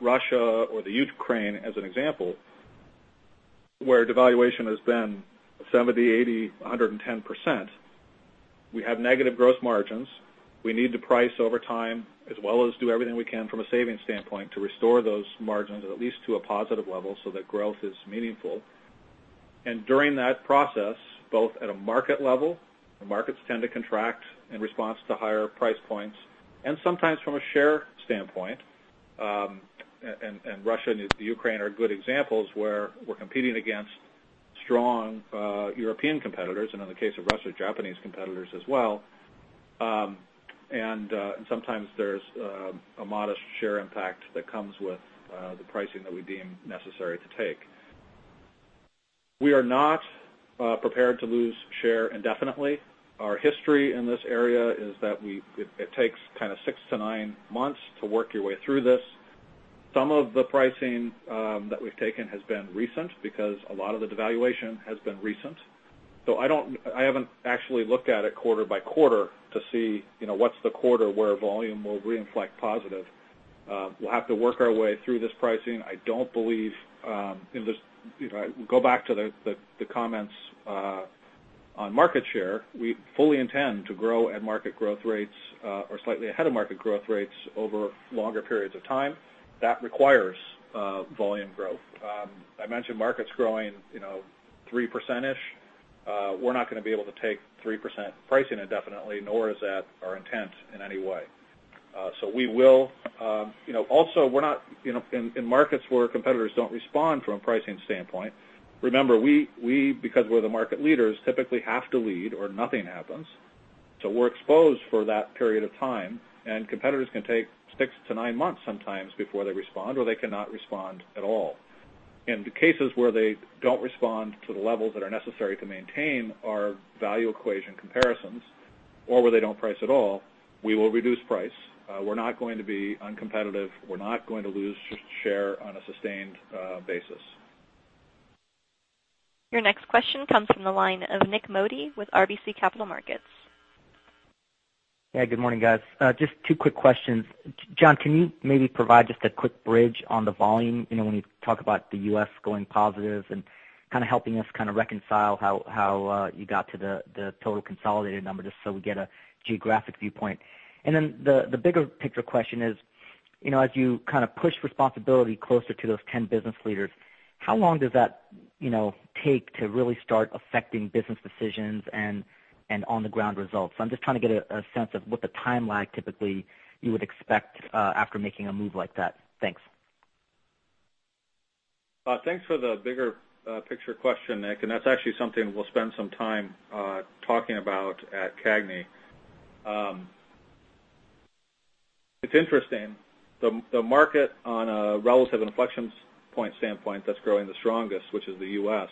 Russia or Ukraine as an example, where devaluation has been 70%, 80%, 110%, we have negative gross margins. We need to price over time as well as do everything we can from a savings standpoint to restore those margins at least to a positive level so that growth is meaningful. During that process, both at a market level, the markets tend to contract in response to higher price points, and sometimes from a share standpoint, and Russia and Ukraine are good examples where we're competing against strong European competitors, and in the case of Russia, Japanese competitors as well, and sometimes there's a modest share impact that comes with the pricing that we deem necessary to take. We are not prepared to lose share indefinitely. Our history in this area is that it takes kind of six to nine months to work your way through this. Some of the pricing that we've taken has been recent because a lot of the devaluation has been recent. I haven't actually looked at it quarter by quarter to see what's the quarter where volume will reinflate positive. We'll have to work our way through this pricing. If I go back to the comments on market share, we fully intend to grow at market growth rates or slightly ahead of market growth rates over longer periods of time. That requires volume growth. I mentioned markets growing 3%-ish. We're not going to be able to take 3% pricing indefinitely, nor is that our intent in any way. Also, in markets where competitors don't respond from a pricing standpoint, remember, we, because we're the market leaders, typically have to lead or nothing happens. We're exposed for that period of time, and competitors can take six to nine months sometimes before they respond, or they cannot respond at all. In the cases where they don't respond to the levels that are necessary to maintain our value equation comparisons or where they don't price at all, we will reduce price. We're not going to be uncompetitive. We're not going to lose share on a sustained basis. Your next question comes from the line of Nik Modi with RBC Capital Markets. Yeah, good morning, guys. Just two quick questions. John, can you maybe provide just a quick bridge on the volume when you talk about the U.S. going positive and kind of helping us kind of reconcile how you got to the total consolidated number, just so we get a geographic viewpoint. Then the bigger picture question is As you push responsibility closer to those 10 business leaders, how long does that take to really start affecting business decisions and on-the-ground results? I'm just trying to get a sense of what the time lag, typically, you would expect after making a move like that. Thanks. Thanks for the bigger picture question, Nik, that's actually something we'll spend some time talking about at CAGNY. It's interesting. The market on a relative inflection point standpoint that's growing the strongest, which is the U.S.,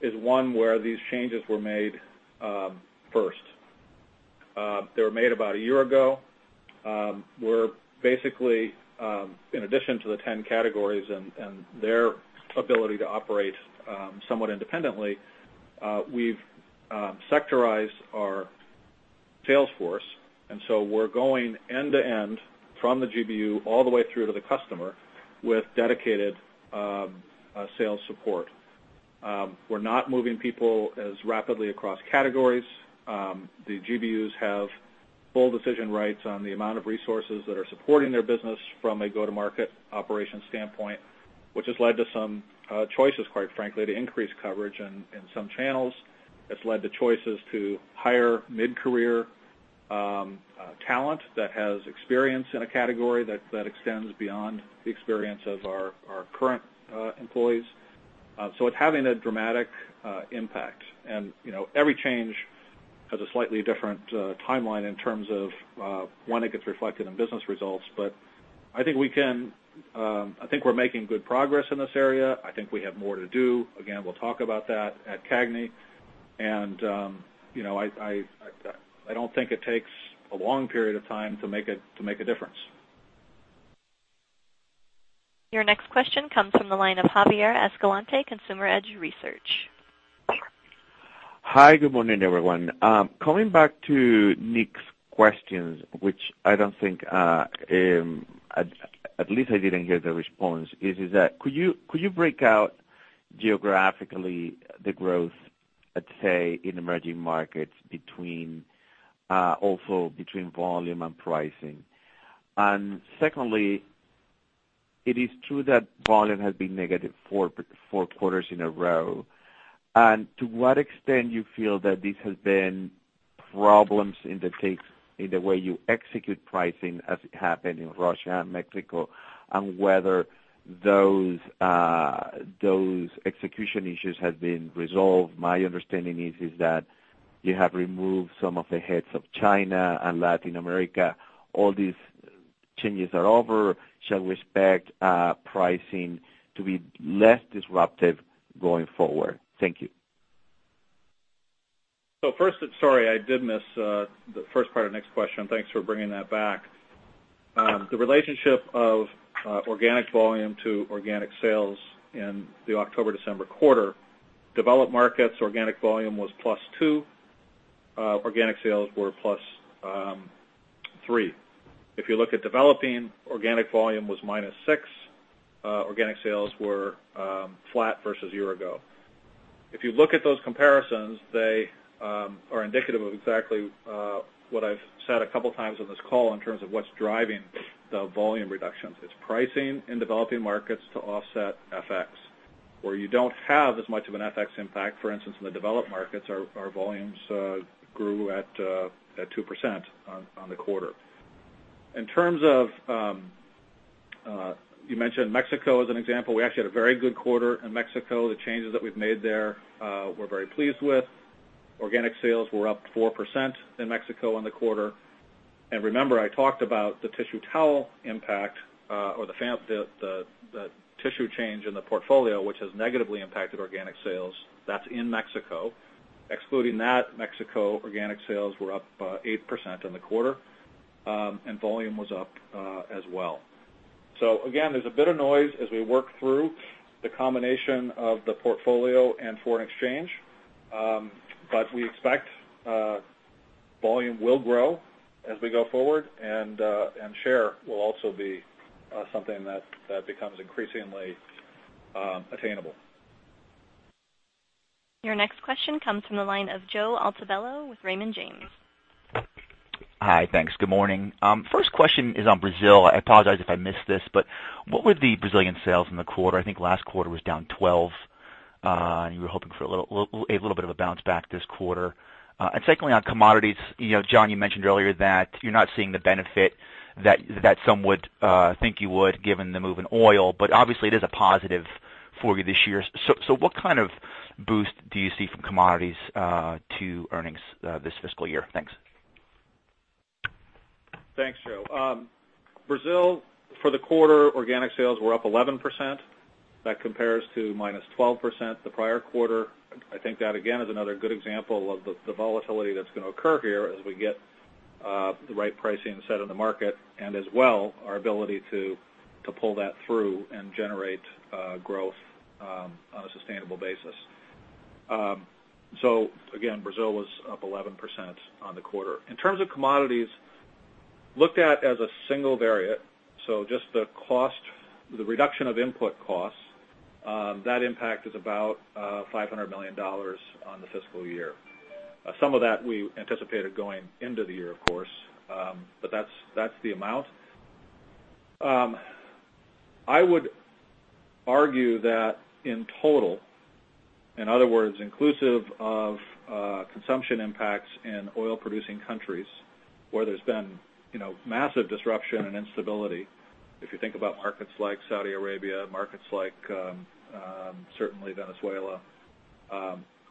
is one where these changes were made first. They were made about a year ago, where basically, in addition to the 10 categories and their ability to operate somewhat independently, we've sectorized our sales force, so we're going end-to-end from the GBU all the way through to the customer with dedicated sales support. We're not moving people as rapidly across categories. The GBUs have full decision rights on the amount of resources that are supporting their business from a go-to-market operations standpoint, which has led to some choices, quite frankly, to increase coverage in some channels. It's led to choices to hire mid-career talent that has experience in a category that extends beyond the experience of our current employees. It's having a dramatic impact. Every change has a slightly different timeline in terms of when it gets reflected in business results. I think we're making good progress in this area. I think we have more to do. Again, we'll talk about that at CAGNY. I don't think it takes a long period of time to make a difference. Your next question comes from the line of Javier Escalante, Consumer Edge Research. Hi, good morning, everyone. Coming back to Nik's questions, which I don't think, at least I didn't hear the response, is that could you break out geographically the growth, let's say, in emerging markets, also between volume and pricing? Secondly, it is true that volume has been negative four quarters in a row. To what extent you feel that this has been problems in the way you execute pricing as it happened in Russia and Mexico, and whether those execution issues have been resolved? My understanding is that you have removed some of the heads of China and Latin America. All these changes are over. Shall we expect pricing to be less disruptive going forward? Thank you. First, sorry, I did miss the first part of Nik's question. Thanks for bringing that back. The relationship of organic volume to organic sales in the October-December quarter, developed markets organic volume was plus two, organic sales were plus three. If you look at developing, organic volume was minus six, organic sales were flat versus a year ago. If you look at those comparisons, they are indicative of exactly what I've said a couple of times on this call in terms of what's driving the volume reductions. It's pricing in developing markets to offset FX, where you don't have as much of an FX impact. For instance, in the developed markets, our volumes grew at 2% on the quarter. In terms of, you mentioned Mexico as an example. We actually had a very good quarter in Mexico. The changes that we've made there, we're very pleased with. Organic sales were up 4% in Mexico in the quarter. Remember, I talked about the tissue towel impact, or the tissue change in the portfolio, which has negatively impacted organic sales. That's in Mexico. Excluding that, Mexico organic sales were up 8% in the quarter, and volume was up as well. Again, there's a bit of noise as we work through the combination of the portfolio and foreign exchange. We expect volume will grow as we go forward, and share will also be something that becomes increasingly attainable. Your next question comes from the line of Joe Altobello with Raymond James. Hi, thanks. Good morning. First question is on Brazil. I apologize if I missed this, what were the Brazilian sales in the quarter? I think last quarter was down 12, you were hoping for a little bit of a bounce back this quarter. Secondly, on commodities, Jon, you mentioned earlier that you're not seeing the benefit that some would think you would, given the move in oil. Obviously, it is a positive for you this year. What kind of boost do you see from commodities to earnings this fiscal year? Thanks. Thanks, Joe. Brazil, for the quarter, organic sales were up 11%. That compares to minus 12% the prior quarter. I think that, again, is another good example of the volatility that's going to occur here as we get the right pricing set in the market and, as well, our ability to pull that through and generate growth on a sustainable basis. Again, Brazil was up 11% on the quarter. In terms of commodities, looked at as a single variant, just the reduction of input costs, that impact is about $500 million on the fiscal year. Some of that we anticipated going into the year, of course. That's the amount. I would argue that in total, in other words, inclusive of consumption impacts in oil-producing countries where there's been massive disruption and instability. If you think about markets like Saudi Arabia, markets like certainly Venezuela.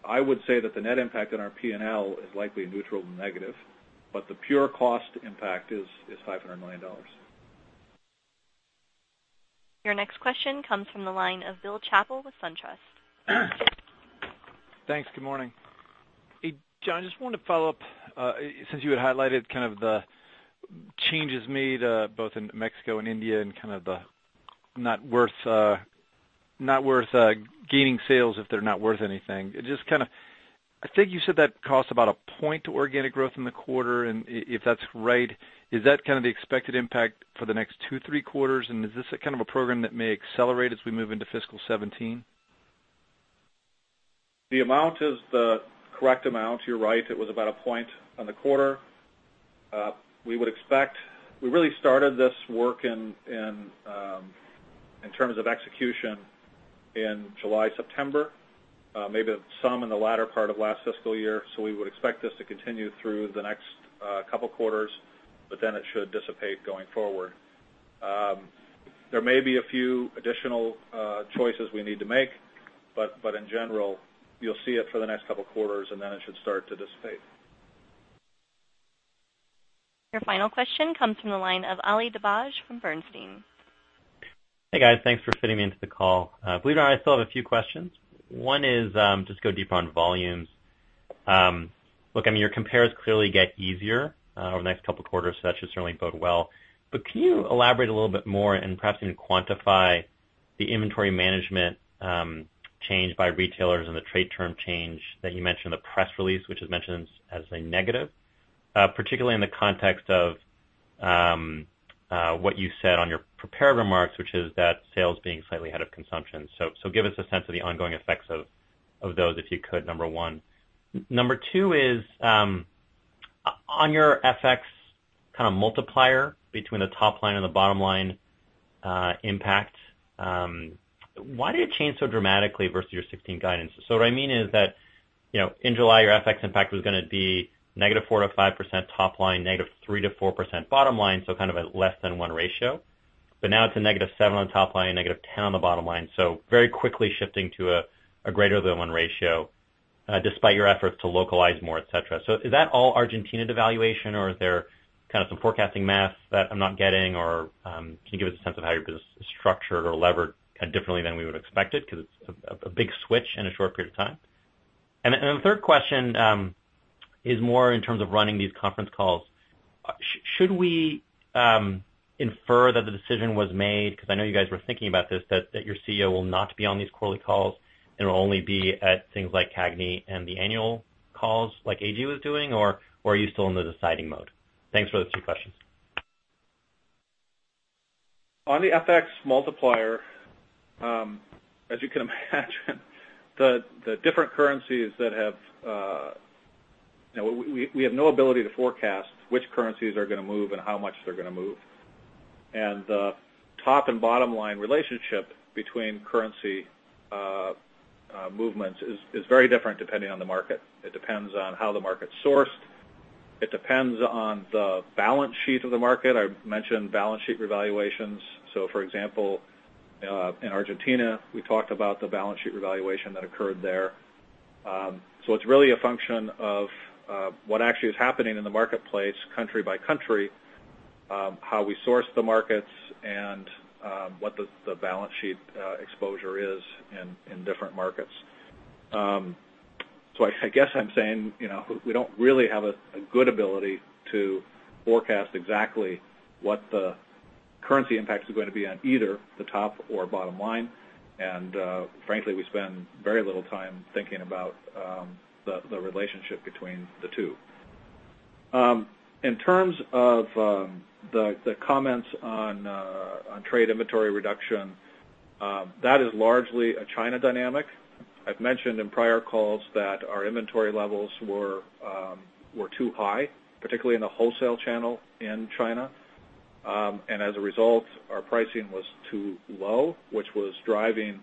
I would say that the net impact on our P&L is likely neutral to negative, the pure cost impact is $500 million. Your next question comes from the line of Bill Chappell with SunTrust. Thanks. Good morning. Hey, Jon, I just wanted to follow up, since you had highlighted the changes made both in Mexico and India and the not worth gaining sales if they're not worth anything. I think you said that cost about a point to organic growth in the quarter. If that's right, is that the expected impact for the next two, three quarters? Is this a program that may accelerate as we move into fiscal 2017? The amount is the correct amount. You're right, it was about a point on the quarter. We really started this work in terms of execution in July, September, maybe some in the latter part of last fiscal year. We would expect this to continue through the next couple of quarters. It should dissipate going forward. There may be a few additional choices we need to make. In general, you'll see it for the next couple of quarters and then it should start to dissipate. Your final question comes from the line of Ali Dibadj from Bernstein. Hey, guys. Thanks for fitting me into the call. Believe it or not, I still have a few questions. One is, just go deeper on volumes. Look, your compares clearly get easier over the next couple of quarters, that should certainly bode well. Can you elaborate a little bit more and perhaps even quantify the inventory management change by retailers and the trade term change that you mentioned in the press release, which is mentioned as a negative, particularly in the context of what you said on your prepared remarks, which is that sales being slightly ahead of consumption. Give us a sense of the ongoing effects of those, if you could, number 1. Number 2 is, on your FX multiplier between the top line and the bottom line impact, why did it change so dramatically versus your 2016 guidance? What I mean is that in July, your FX impact was going to be -4% to -5% top line, -3% to -4% bottom line, so a less than 1 ratio. Now it's a -7 on top line and -10 on the bottom line. Very quickly shifting to a greater than 1 ratio, despite your efforts to localize more, et cetera. Is that all Argentina devaluation or is there some forecasting math that I'm not getting? Can you give us a sense of how your business is structured or levered differently than we would expect it? Because it's a big switch in a short period of time. The third question is more in terms of running these conference calls. Should we infer that the decision was made, because I know you guys were thinking about this, that your CEO will not be on these quarterly calls and will only be at things like CAGNY and the annual calls like AG was doing, or are you still in the deciding mode? Thanks for those two questions. On the FX multiplier, as you can imagine the different currencies. We have no ability to forecast which currencies are going to move and how much they're going to move. The top and bottom line relationship between currency movements is very different depending on the market. It depends on how the market's sourced. It depends on the balance sheet of the market. I mentioned balance sheet revaluations. For example, in Argentina, we talked about the balance sheet revaluation that occurred there. It's really a function of what actually is happening in the marketplace country by country, how we source the markets, and what the balance sheet exposure is in different markets. I guess I'm saying, we don't really have a good ability to forecast exactly what the currency impact is going to be on either the top or bottom line, frankly, we spend very little time thinking about the relationship between the two. In terms of the comments on trade inventory reduction, that is largely a China dynamic. I've mentioned in prior calls that our inventory levels were too high, particularly in the wholesale channel in China. As a result, our pricing was too low, which was driving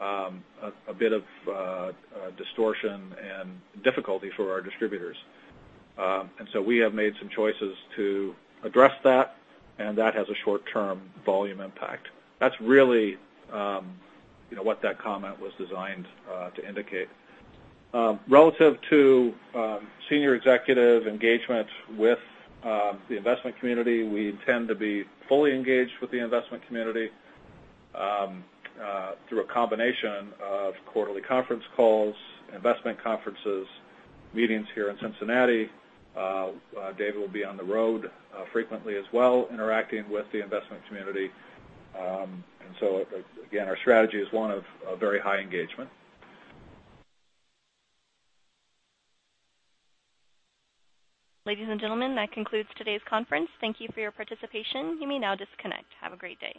a bit of distortion and difficulty for our distributors. We have made some choices to address that, and that has a short-term volume impact. That's really what that comment was designed to indicate. Relative to senior executive engagement with the investment community, we intend to be fully engaged with the investment community through a combination of quarterly conference calls, investment conferences, meetings here in Cincinnati. David will be on the road frequently as well, interacting with the investment community. Again, our strategy is one of very high engagement. Ladies and gentlemen, that concludes today's conference. Thank you for your participation. You may now disconnect. Have a great day.